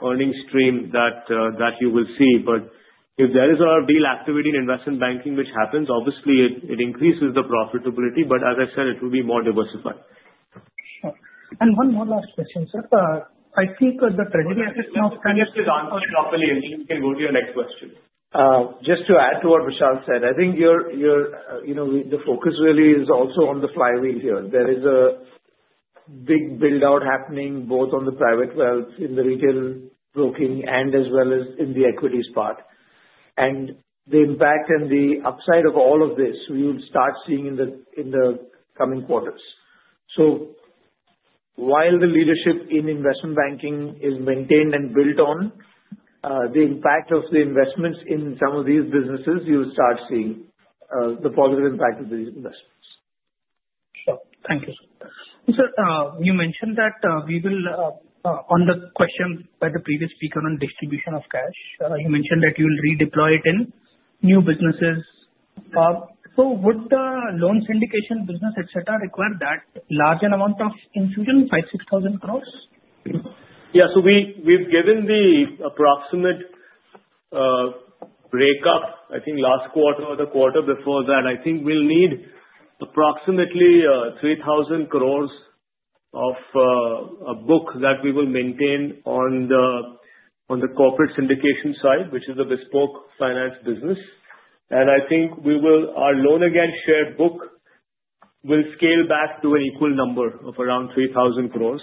earning stream that you will see. But if there is a real activity in investment banking which happens, obviously, it increases the profitability. But as I said, it will be more diversified. Sure. And one more last question, sir. I think the treasury assets now. Yes, please answer it properly, and then you can go to your next question. Just to add to what Vishal said, I think the focus really is also on the flywheel here. There is a big build-out happening both on the private wealth, in the retail broking, and as well as in the equities part, and the impact and the upside of all of this we will start seeing in the coming quarters, so while the leadership in investment banking is maintained and built on, the impact of the investments in some of these businesses, you will start seeing the positive impact of these investments. Sure. Thank you, sir. Sir, you mentioned that we will, on the question by the previous speaker on distribution of cash, you mentioned that you will redeploy it in new businesses. So would the loan syndication business, etc., require that large an amount of infusion, 5,000-6,000 crores? Yeah. So we've given the approximate breakup. I think last quarter or the quarter before that, I think we'll need approximately 3,000 crores of a book that we will maintain on the corporate syndication side, which is the bespoke finance business. And I think our loan against share book will scale back to an equal number of around 3,000 crores.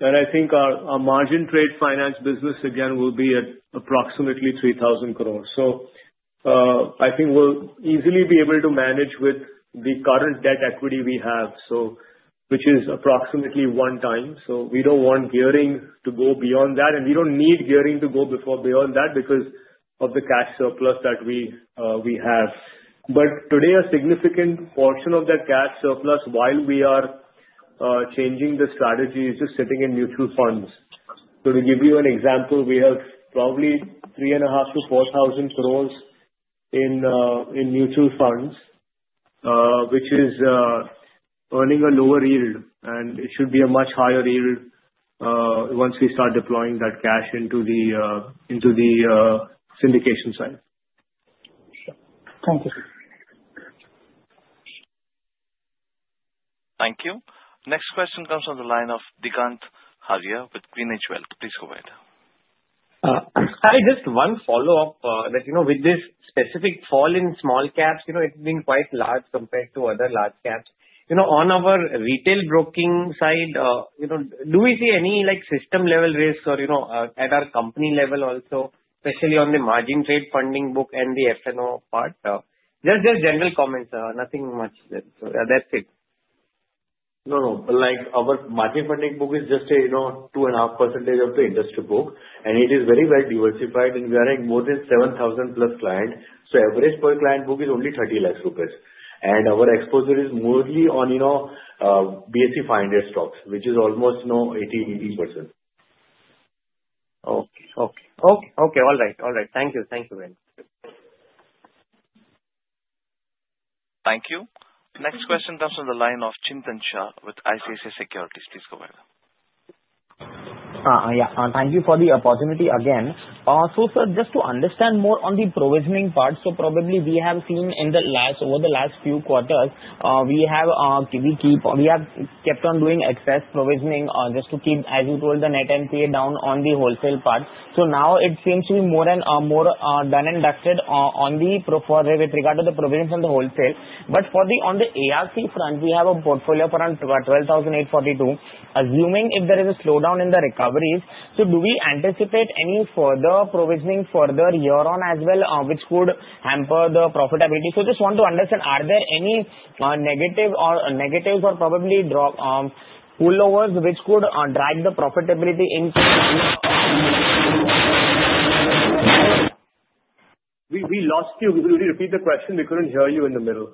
And I think our margin trade finance business, again, will be at approximately 3,000 crores. So I think we'll easily be able to manage with the current debt equity we have, which is approximately one time. So we don't want gearing to go beyond that. And we don't need gearing to go beyond that because of the cash surplus that we have. But today, a significant portion of that cash surplus while we are changing the strategy is just sitting in mutual funds. So to give you an example, we have probably 3,500-4,000 crores in mutual funds, which is earning a lower yield. And it should be a much higher yield once we start deploying that cash into the syndication side. Sure. Thank you. Thank you. Next question comes from the line of Digant Haria with GreenEdge Wealth. Please go ahead. Hi. Just one follow-up. With this specific fall in small caps, it's been quite large compared to other large caps. On our retail broking side, do we see any system-level risk or at our company level also, especially on the margin trade funding book and the F&O part? Just general comments. Nothing much there. So that's it. No, no. Our margin funding book is just a 2.5% of the industry book. And it is very well diversified. And we are in more than 7,000-plus clients. So average per client book is only 30 lakhs rupees. And our exposure is mostly on BSE 500 stocks, which is almost 80%-90%. Okay. All right. Thank you very much. Thank you. Next question comes from the line of Chintan Shah with ICICI Securities. Please go ahead. Yeah. Thank you for the opportunity again. So sir, just to understand more on the provisioning part, so probably we have seen in the last, over the last few quarters, we have kept on doing excess provisioning just to keep, as you told, the net NPA down on the wholesale part. So now it seems to be more and more done and dusted with regard to the provisioning on the wholesale. But on the ARC front, we have a portfolio around 12,842, assuming if there is a slowdown in the recoveries. So do we anticipate any further provisioning year-on as well, which could hamper the profitability? So just want to understand, are there any negatives or probably pull-overs which could drive the profitability into? We lost you. Could you repeat the question? We couldn't hear you in the middle.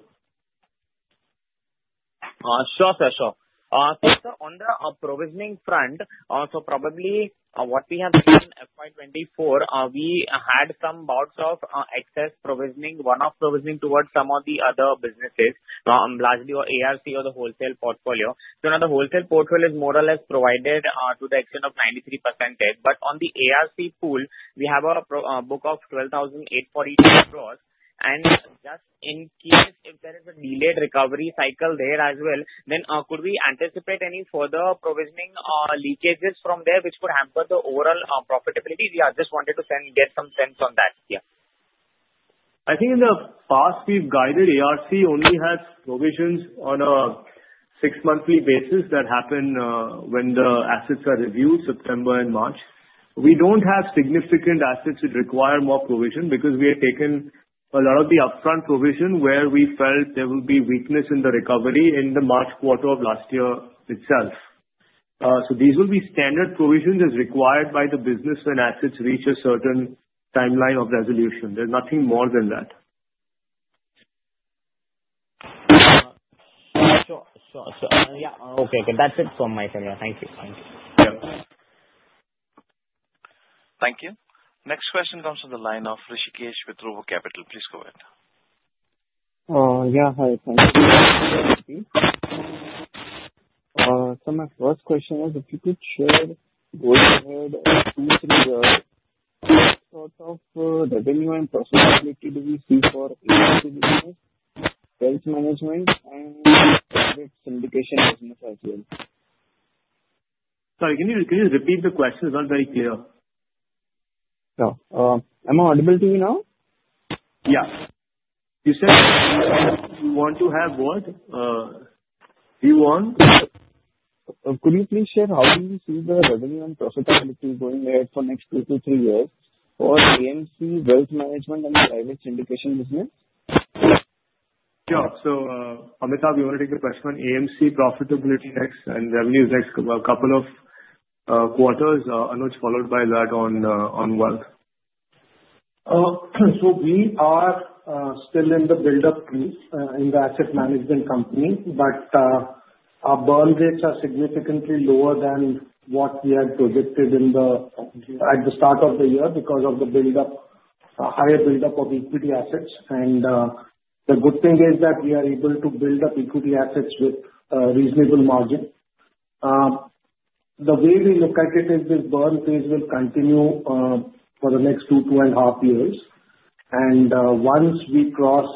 Sure, sir. Sure. So sir, on the provisioning front, so probably what we have seen FY24, we had some bouts of excess provisioning, one-off provisioning towards some of the other businesses, largely ARC or the wholesale portfolio. So now the wholesale portfolio is more or less provided to the extent of 93%. But on the ARC pool, we have a book of 12,842 crores. And just in case if there is a delayed recovery cycle there as well, then could we anticipate any further provisioning leakages from there which could hamper the overall profitability? We just wanted to get some sense on that. Yeah. I think in the past, we've guided ARC only has provisions on a six-monthly basis that happen when the assets are reviewed, September and March. We don't have significant assets which require more provision because we have taken a lot of the upfront provision where we felt there would be weakness in the recovery in the March quarter of last year itself. So these will be standard provisions as required by the business when assets reach a certain timeline of resolution. There's nothing more than that. Sure. Sure. Sure. Yeah. Okay. That's it from my side. Yeah. Thank you. Thank you. Yeah. Thank you. Next question comes from the line of Rishikesh Oza with RoboCapital. Please go ahead. Yeah. Hi. Thank you. So my first question is if you could share going ahead a few, three years sort of revenue and profitability do we see for ARC business, wealth management, and syndication business as well. Sorry. Can you repeat the question? It's not very clear. Yeah. Am I audible to you now? Yeah. You said you want to have what? Could you please share how do you see the revenue and profitability going ahead for next two to three years for AMC wealth management and private syndication business? Yeah. So Amitabh, we want to take a question on AMC profitability next and revenues next a couple of quarters, Anuj, followed by that on wealth. So we are still in the build-up phase in the asset management company, but our burn rates are significantly lower than what we had predicted at the start of the year because of the higher build-up of equity assets. And the good thing is that we are able to build up equity assets with a reasonable margin. The way we look at it is this burn phase will continue for the next two, two and a half years. And once we cross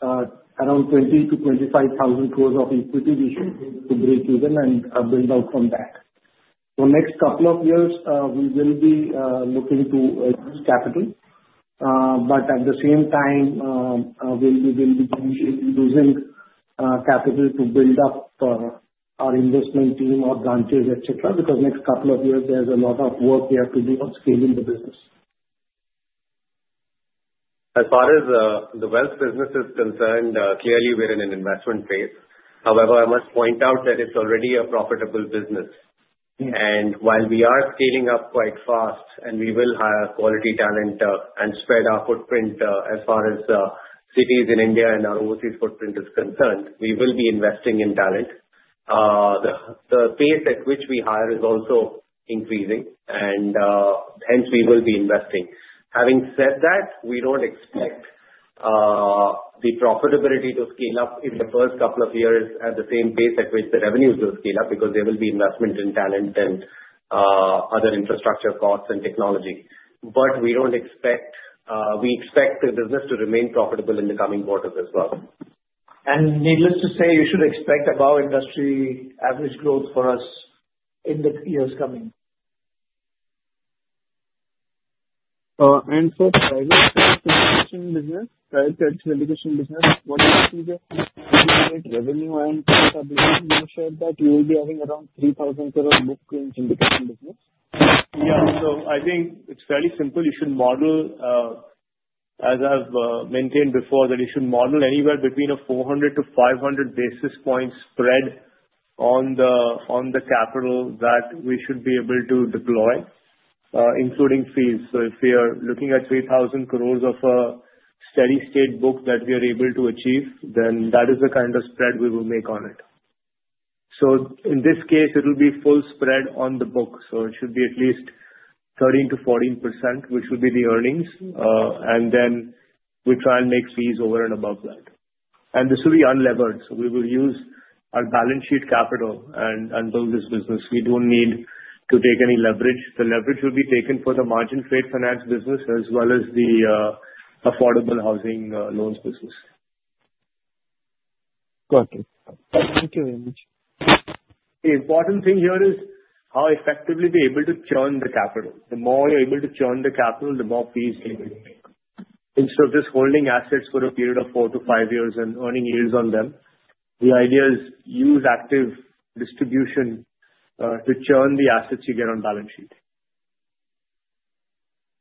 around 20-25 thousand crores of equity, we should be able to break even and build out from that. So next couple of years, we will be looking to increase capital. But at the same time, we will be using capital to build up our investment team or branches, etc., because next couple of years, there's a lot of work we have to do on scaling the business. As far as the wealth business is concerned, clearly we're in an investment phase. However, I must point out that it's already a profitable business, and while we are scaling up quite fast, and we will hire quality talent and spread our footprint as far as cities in India and our overseas footprint is concerned, we will be investing in talent. The pace at which we hire is also increasing, and hence we will be investing. Having said that, we don't expect the profitability to scale up in the first couple of years at the same pace at which the revenues will scale up because there will be investment in talent and other infrastructure costs and technology, but we do expect the business to remain profitable in the coming quarters as well. Needless to say, you should expect above-industry average growth for us in the years coming. For private syndication business, what do you see the revenue and profitability? You said that you will be having around 3,000 crores booked in syndication business. Yeah. So I think it's fairly simple. You should model, as I've maintained before, that you should model anywhere between a 400-500 basis points spread on the capital that we should be able to deploy, including fees. So if we are looking at 3,000 crores of a steady-state book that we are able to achieve, then that is the kind of spread we will make on it. So in this case, it will be full spread on the book. So it should be at least 13%-14%, which will be the earnings. And then we try and make fees over and above that. And this will be unlevered. So we will use our balance sheet capital and build this business. We don't need to take any leverage. The leverage will be taken for the margin trade finance business as well as the affordable housing loans business. Got it. Thank you very much. The important thing here is how effectively we're able to churn the capital. The more you're able to churn the capital, the more fees you're able to make. Instead of just holding assets for a period of four to five years and earning yields on them, the idea is to use active distribution to churn the assets you get on balance sheet.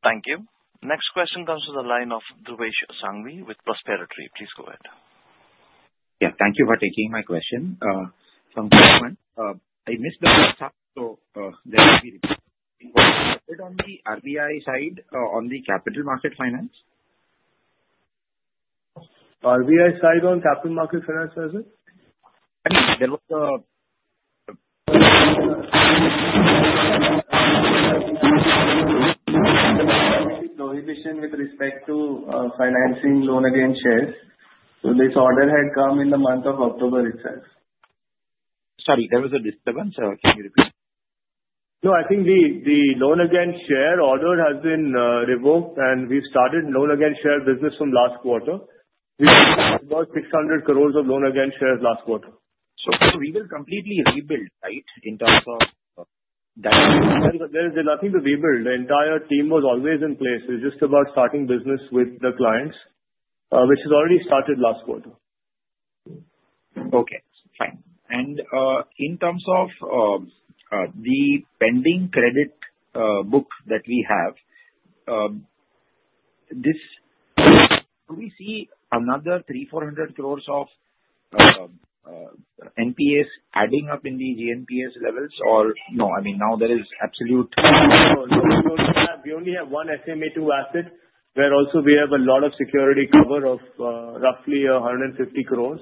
Thank you. Next question comes from the line of Dhruvesh Sanghvi with Prospero Tree. Please go ahead. Yeah. Thank you for taking my question. From the comment, I missed the first half, so there will be a bit on the RBI side on the capital market finance. RBI side on capital market finance, sir? There was a prohibition with respect to financing loans against shares. So this order had come in the month of October itself. Sorry. There was a disturbance. Can you repeat? No, I think the loan against shares order has been revoked, and we've started loan against shares business from last quarter. We had about 600 crores of loan against shares last quarter. So we will completely rebuild, right, in terms of that? There is nothing to rebuild. The entire team was always in place. It's just about starting business with the clients, which has already started last quarter. Okay. Fine. And in terms of the pending credit book that we have, do we see another 300-400 crores of NPAs adding up in the GNPA levels, or no? I mean, now there is absolute. We only have one SMA-2 asset, where also we have a lot of security cover of roughly 150 crores.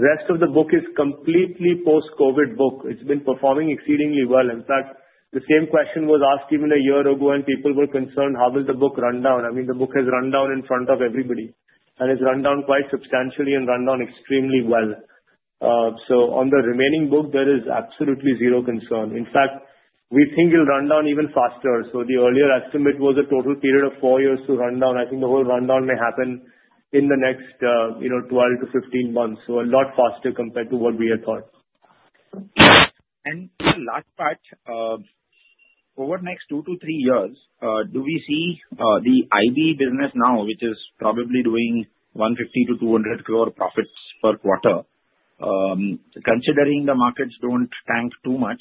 The rest of the book is completely post-COVID book. It's been performing exceedingly well. In fact, the same question was asked even a year ago, and people were concerned how will the book run down. I mean, the book has run down in front of everybody, and it's run down quite substantially and run down extremely well. So on the remaining book, there is absolutely zero concern. In fact, we think it'll run down even faster. So the earlier estimate was a total period of four years to run down. I think the whole rundown may happen in the next 12-15 months, so a lot faster compared to what we had thought. Last part, over the next two to three years, do we see the IB business now, which is probably doing 150-200 crore profits per quarter, considering the markets don't tank too much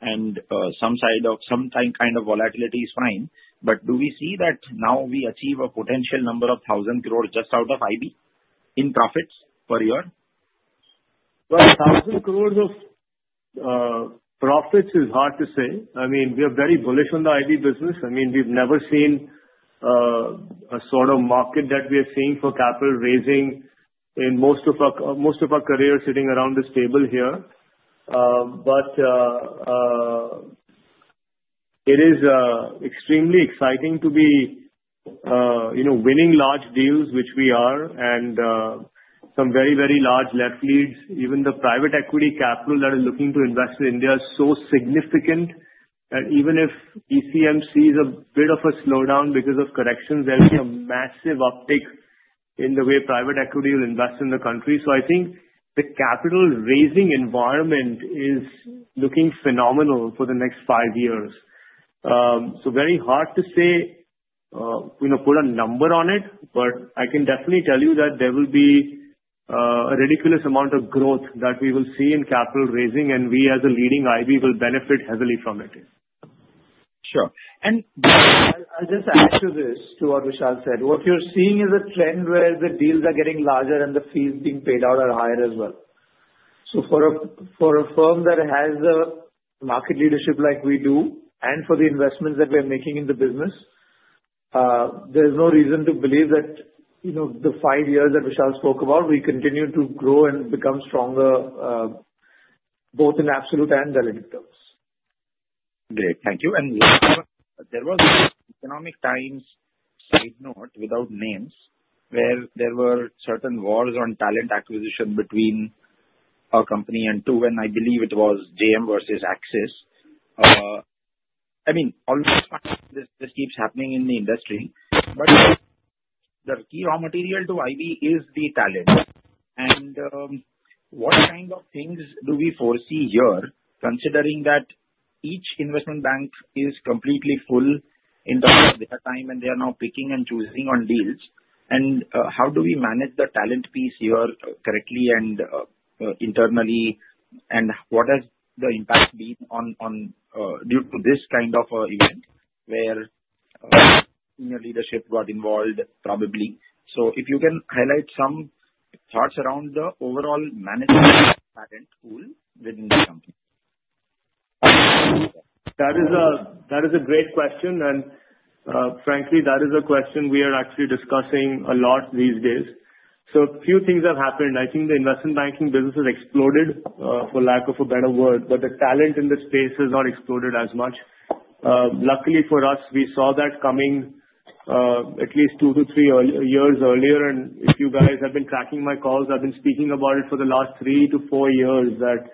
and some kind of volatility is fine, but do we see that now we achieve a potential number of 1,000 crores just out of IB in profits per year? 1,000 crores of profits is hard to say. I mean, we are very bullish on the IB business. I mean, we've never seen a sort of market that we are seeing for capital raising in most of our career sitting around this table here. But it is extremely exciting to be winning large deals, which we are, and some very, very large lead deals. Even the private equity capital that is looking to invest in India is so significant that even if ECM is a bit of a slowdown because of corrections, there'll be a massive uptick in the way private equity will invest in the country. So I think the capital-raising environment is looking phenomenal for the next five years. Very hard to say, put a number on it, but I can definitely tell you that there will be a ridiculous amount of growth that we will see in capital raising, and we as a leading IB will benefit heavily from it. Sure. And I'll just add to this, to what Vishal said. What you're seeing is a trend where the deals are getting larger and the fees being paid out are higher as well. So for a firm that has the market leadership like we do and for the investments that we are making in the business, there's no reason to believe that the five years that Vishal spoke about, we continue to grow and become stronger both in absolute and delegate terms. Great. Thank you. And there was an Economic Times side note without names where there were certain wars on talent acquisition between our company and two, and I believe it was JM versus Axis. I mean, all this keeps happening in the industry, but the key raw material to IB is the talent. And what kind of things do we foresee here, considering that each investment bank is completely full in terms of their time and they are now picking and choosing on deals? And how do we manage the talent piece here correctly and internally, and what has the impact been due to this kind of event where senior leadership got involved probably? So if you can highlight some thoughts around the overall management talent pool within the company. That is a great question, and frankly, that is a question we are actually discussing a lot these days, so a few things have happened. I think the investment banking business has exploded, for lack of a better word, but the talent in the space has not exploded as much. Luckily for us, we saw that coming at least two to three years earlier, and if you guys have been tracking my calls, I've been speaking about it for the last three to four years that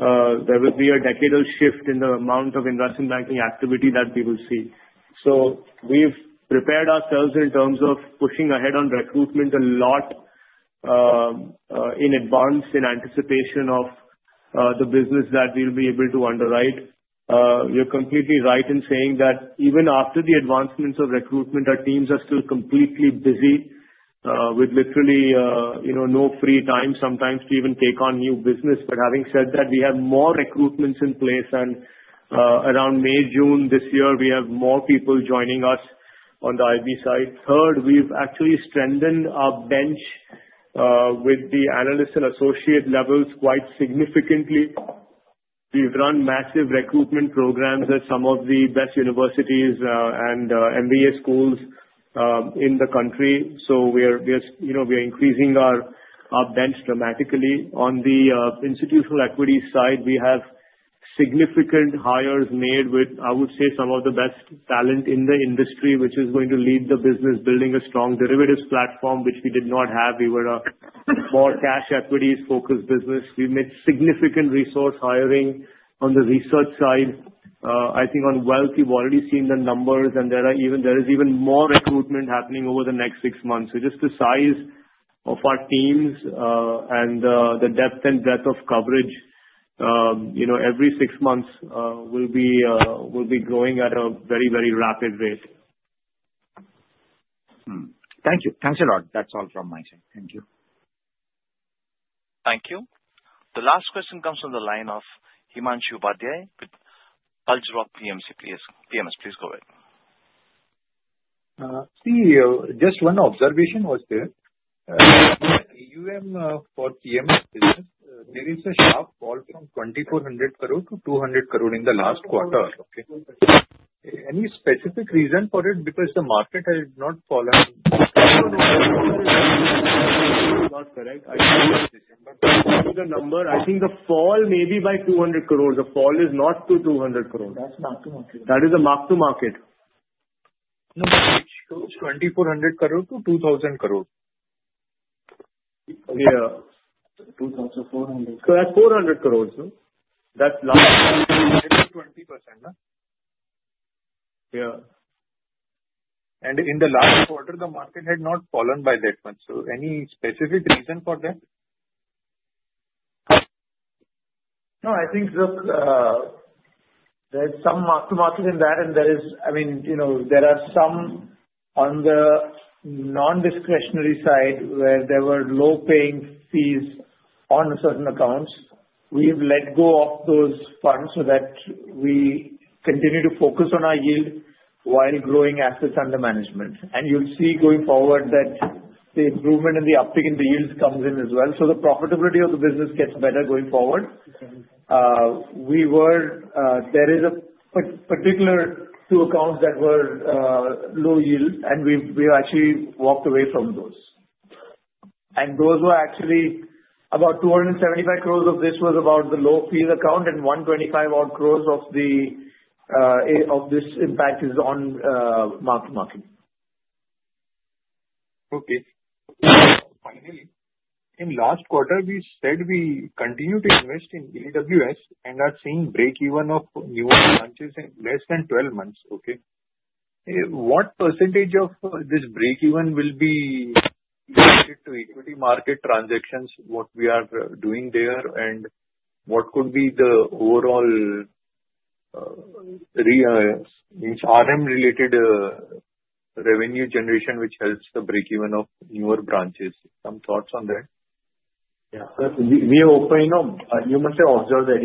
there will be a decadal shift in the amount of investment banking activity that we will see, so we've prepared ourselves in terms of pushing ahead on recruitment a lot in advance in anticipation of the business that we will be able to underwrite. You're completely right in saying that even after the advancements of recruitment, our teams are still completely busy with literally no free time sometimes to even take on new business, but having said that, we have more recruitments in place and around May, June this year, we have more people joining us on the IB side. Third, we've actually strengthened our bench with the analyst and associate levels quite significantly. We've run massive recruitment programs at some of the best universities and MBA schools in the country, so we are increasing our bench dramatically. On the institutional equity side, we have significant hires made with, I would say, some of the best talent in the industry, which is going to lead the business, building a strong derivatives platform, which we did not have. We were a more cash equities-focused business. We made significant resource hiring on the research side. I think on wealth, you've already seen the numbers, and there is even more recruitment happening over the next six months. So just the size of our teams and the depth and breadth of coverage every six months will be growing at a very, very rapid rate. Thank you. Thanks a lot. That's all from my side. Thank you. Thank you. The last question comes from the line of Himanshu Bhadra with Bajaj Finserv. Please go ahead. CEO, just one observation was there. The PMS business, there is a sharp fall from 2,400 crores to 200 crores in the last quarter. Any specific reason for it? Because the market has not fallen. I think the number, I think the fall may be by 200 crores. The fall is not to 200 crores. That's mark-to-market. That is a mark-to-market. No. It shows 2,400 crores to 2,000 crores. Yeah. 2,400. So that's 400 crores. That's last time we were in 20%. Yeah. And in the last quarter, the market had not fallen by that much. So any specific reason for that? No. I think there's some mark-to-market in that, and there is, I mean, there are some on the non-discretionary side where there were low-paying fees on certain accounts. We've let go of those funds so that we continue to focus on our yield while growing assets under management, and you'll see going forward that the improvement in the uptake in the yields comes in as well. The profitability of the business gets better going forward. There are particular two accounts that were low yield, and we have actually walked away from those. Those were actually about 275 crores. Of this was about the low-fee account, and 125-odd crores of this impact is on mark-to-market. Okay. Finally, in last quarter, we said we continue to invest in EWS and are seeing break-even of new launches in less than 12 months. Okay. What percentage of this break-even will be related to equity market transactions, what we are doing there, and what could be the overall RM-related revenue generation, which helps the break-even of newer branches? Some thoughts on that? Yeah. We are open. You must have observed that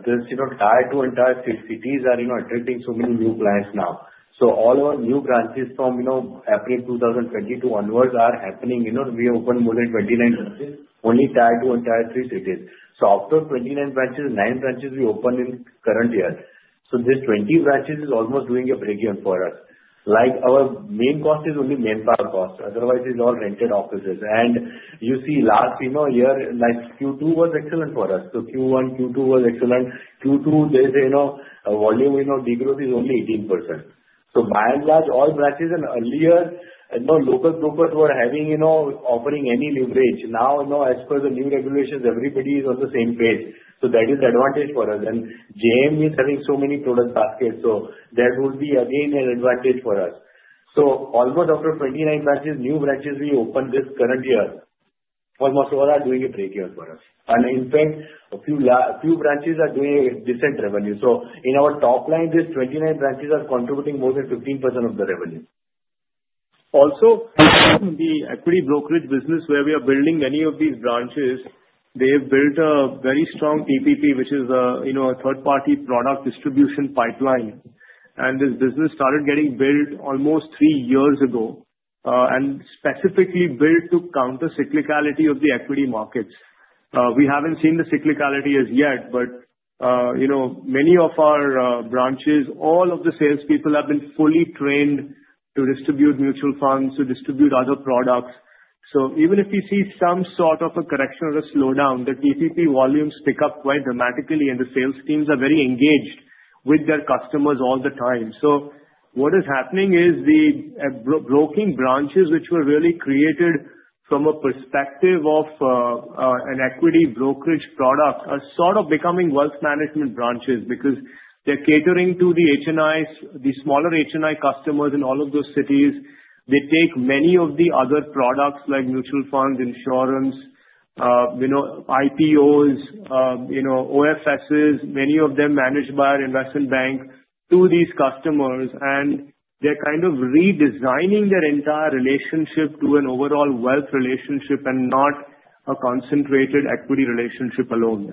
there's tier two and tier three cities are attracting so many new clients now. So all our new branches from April 2020 to onwards are happening. We opened more than 29 branches, only tier two and tier three cities. So out of 29 branches, nine branches we opened in current year. So these 20 branches are almost doing a break-even for us. Our main cost is only manpower cost. Otherwise, it's all rented offices. And you see last year, Q2 was excellent for us. So Q1, Q2 was excellent. Q2, there's a volume degrowth is only 18%. So by and large, all branches in earlier local brokers were offering any leverage. Now, as per the new regulations, everybody is on the same page. So that is an advantage for us. And JM is having so many product baskets. So that would be, again, an advantage for us. So almost out of 29 branches, new branches we opened this current year, almost all are doing a break-even for us. And in fact, a few branches are doing a decent revenue. So in our top line, these 29 branches are contributing more than 15% of the revenue. Also, the equity brokerage business where we are building many of these branches, they have built a very strong TPP, which is a third-party product distribution pipeline. And this business started getting built almost three years ago and specifically built to counter cyclicality of the equity markets. We haven't seen the cyclicality as yet, but many of our branches, all of the salespeople have been fully trained to distribute mutual funds, to distribute other products. Even if we see some sort of a correction or a slowdown, the TPP volumes pick up quite dramatically, and the sales teams are very engaged with their customers all the time. What is happening is the broking branches, which were really created from a perspective of an equity brokerage product, are sort of becoming wealth management branches because they're catering to the smaller HNI customers in all of those cities. They take many of the other products like mutual funds, insurance, IPOs, OFSs, many of them managed by our investment bank, to these customers. They're kind of redesigning their entire relationship to an overall wealth relationship and not a concentrated equity relationship alone.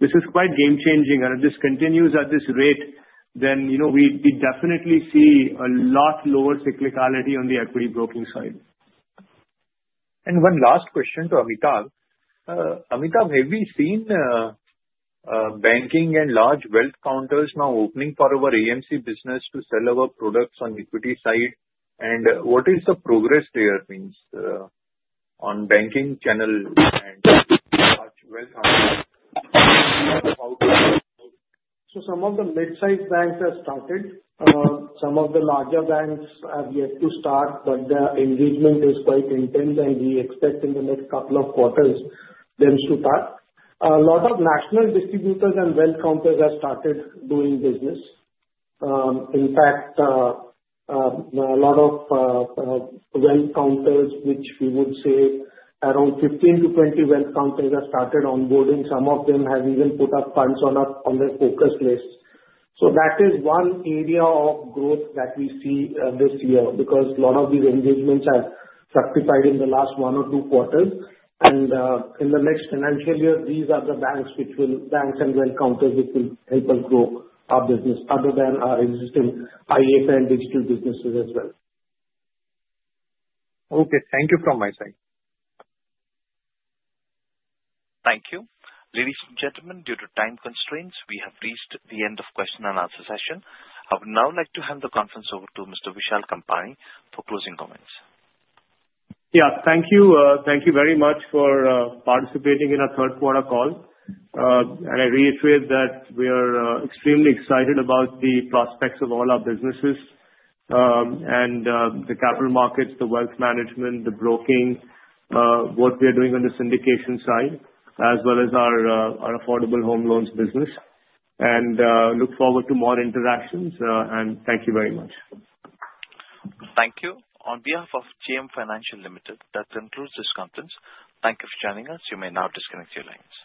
This is quite game-changing. If this continues at this rate, then we definitely see a lot lower cyclicality on the equity broking side. One last question to Vishal. Vishal, have we seen banking and large wealth counters now opening for our AMC business to sell our products on equity side? What is the progress there on banking channels and large wealth counters? So some of the mid-sized banks have started. Some of the larger banks have yet to start, but the engagement is quite intense, and we expect in the next couple of quarters them to start. A lot of national distributors and wealth counters have started doing business. In fact, a lot of wealth counters, which we would say around 15-20 wealth counters, have started onboarding. Some of them have even put up funds on their focus list. So that is one area of growth that we see this year because a lot of these engagements have fructified in the last one or two quarters. And in the next financial year, these are the banks and wealth counters which will help us grow our business other than our existing IFA and digital businesses as well. Okay. Thank you from my side. Thank you. Ladies and gentlemen, due to time constraints, we have reached the end of the question and answer session. I would now like to hand the conference over to Mr. Vishal Kampani for closing comments. Yeah. Thank you. Thank you very much for participating in our third-quarter call. And I reiterate that we are extremely excited about the prospects of all our businesses and the capital markets, the wealth management, the broking, what we are doing on the syndication side, as well as our affordable home loans business. And look forward to more interactions. And thank you very much. Thank you. On behalf of JM Financial Limited, that concludes this conference. Thank you for joining us. You may now disconnect your lines.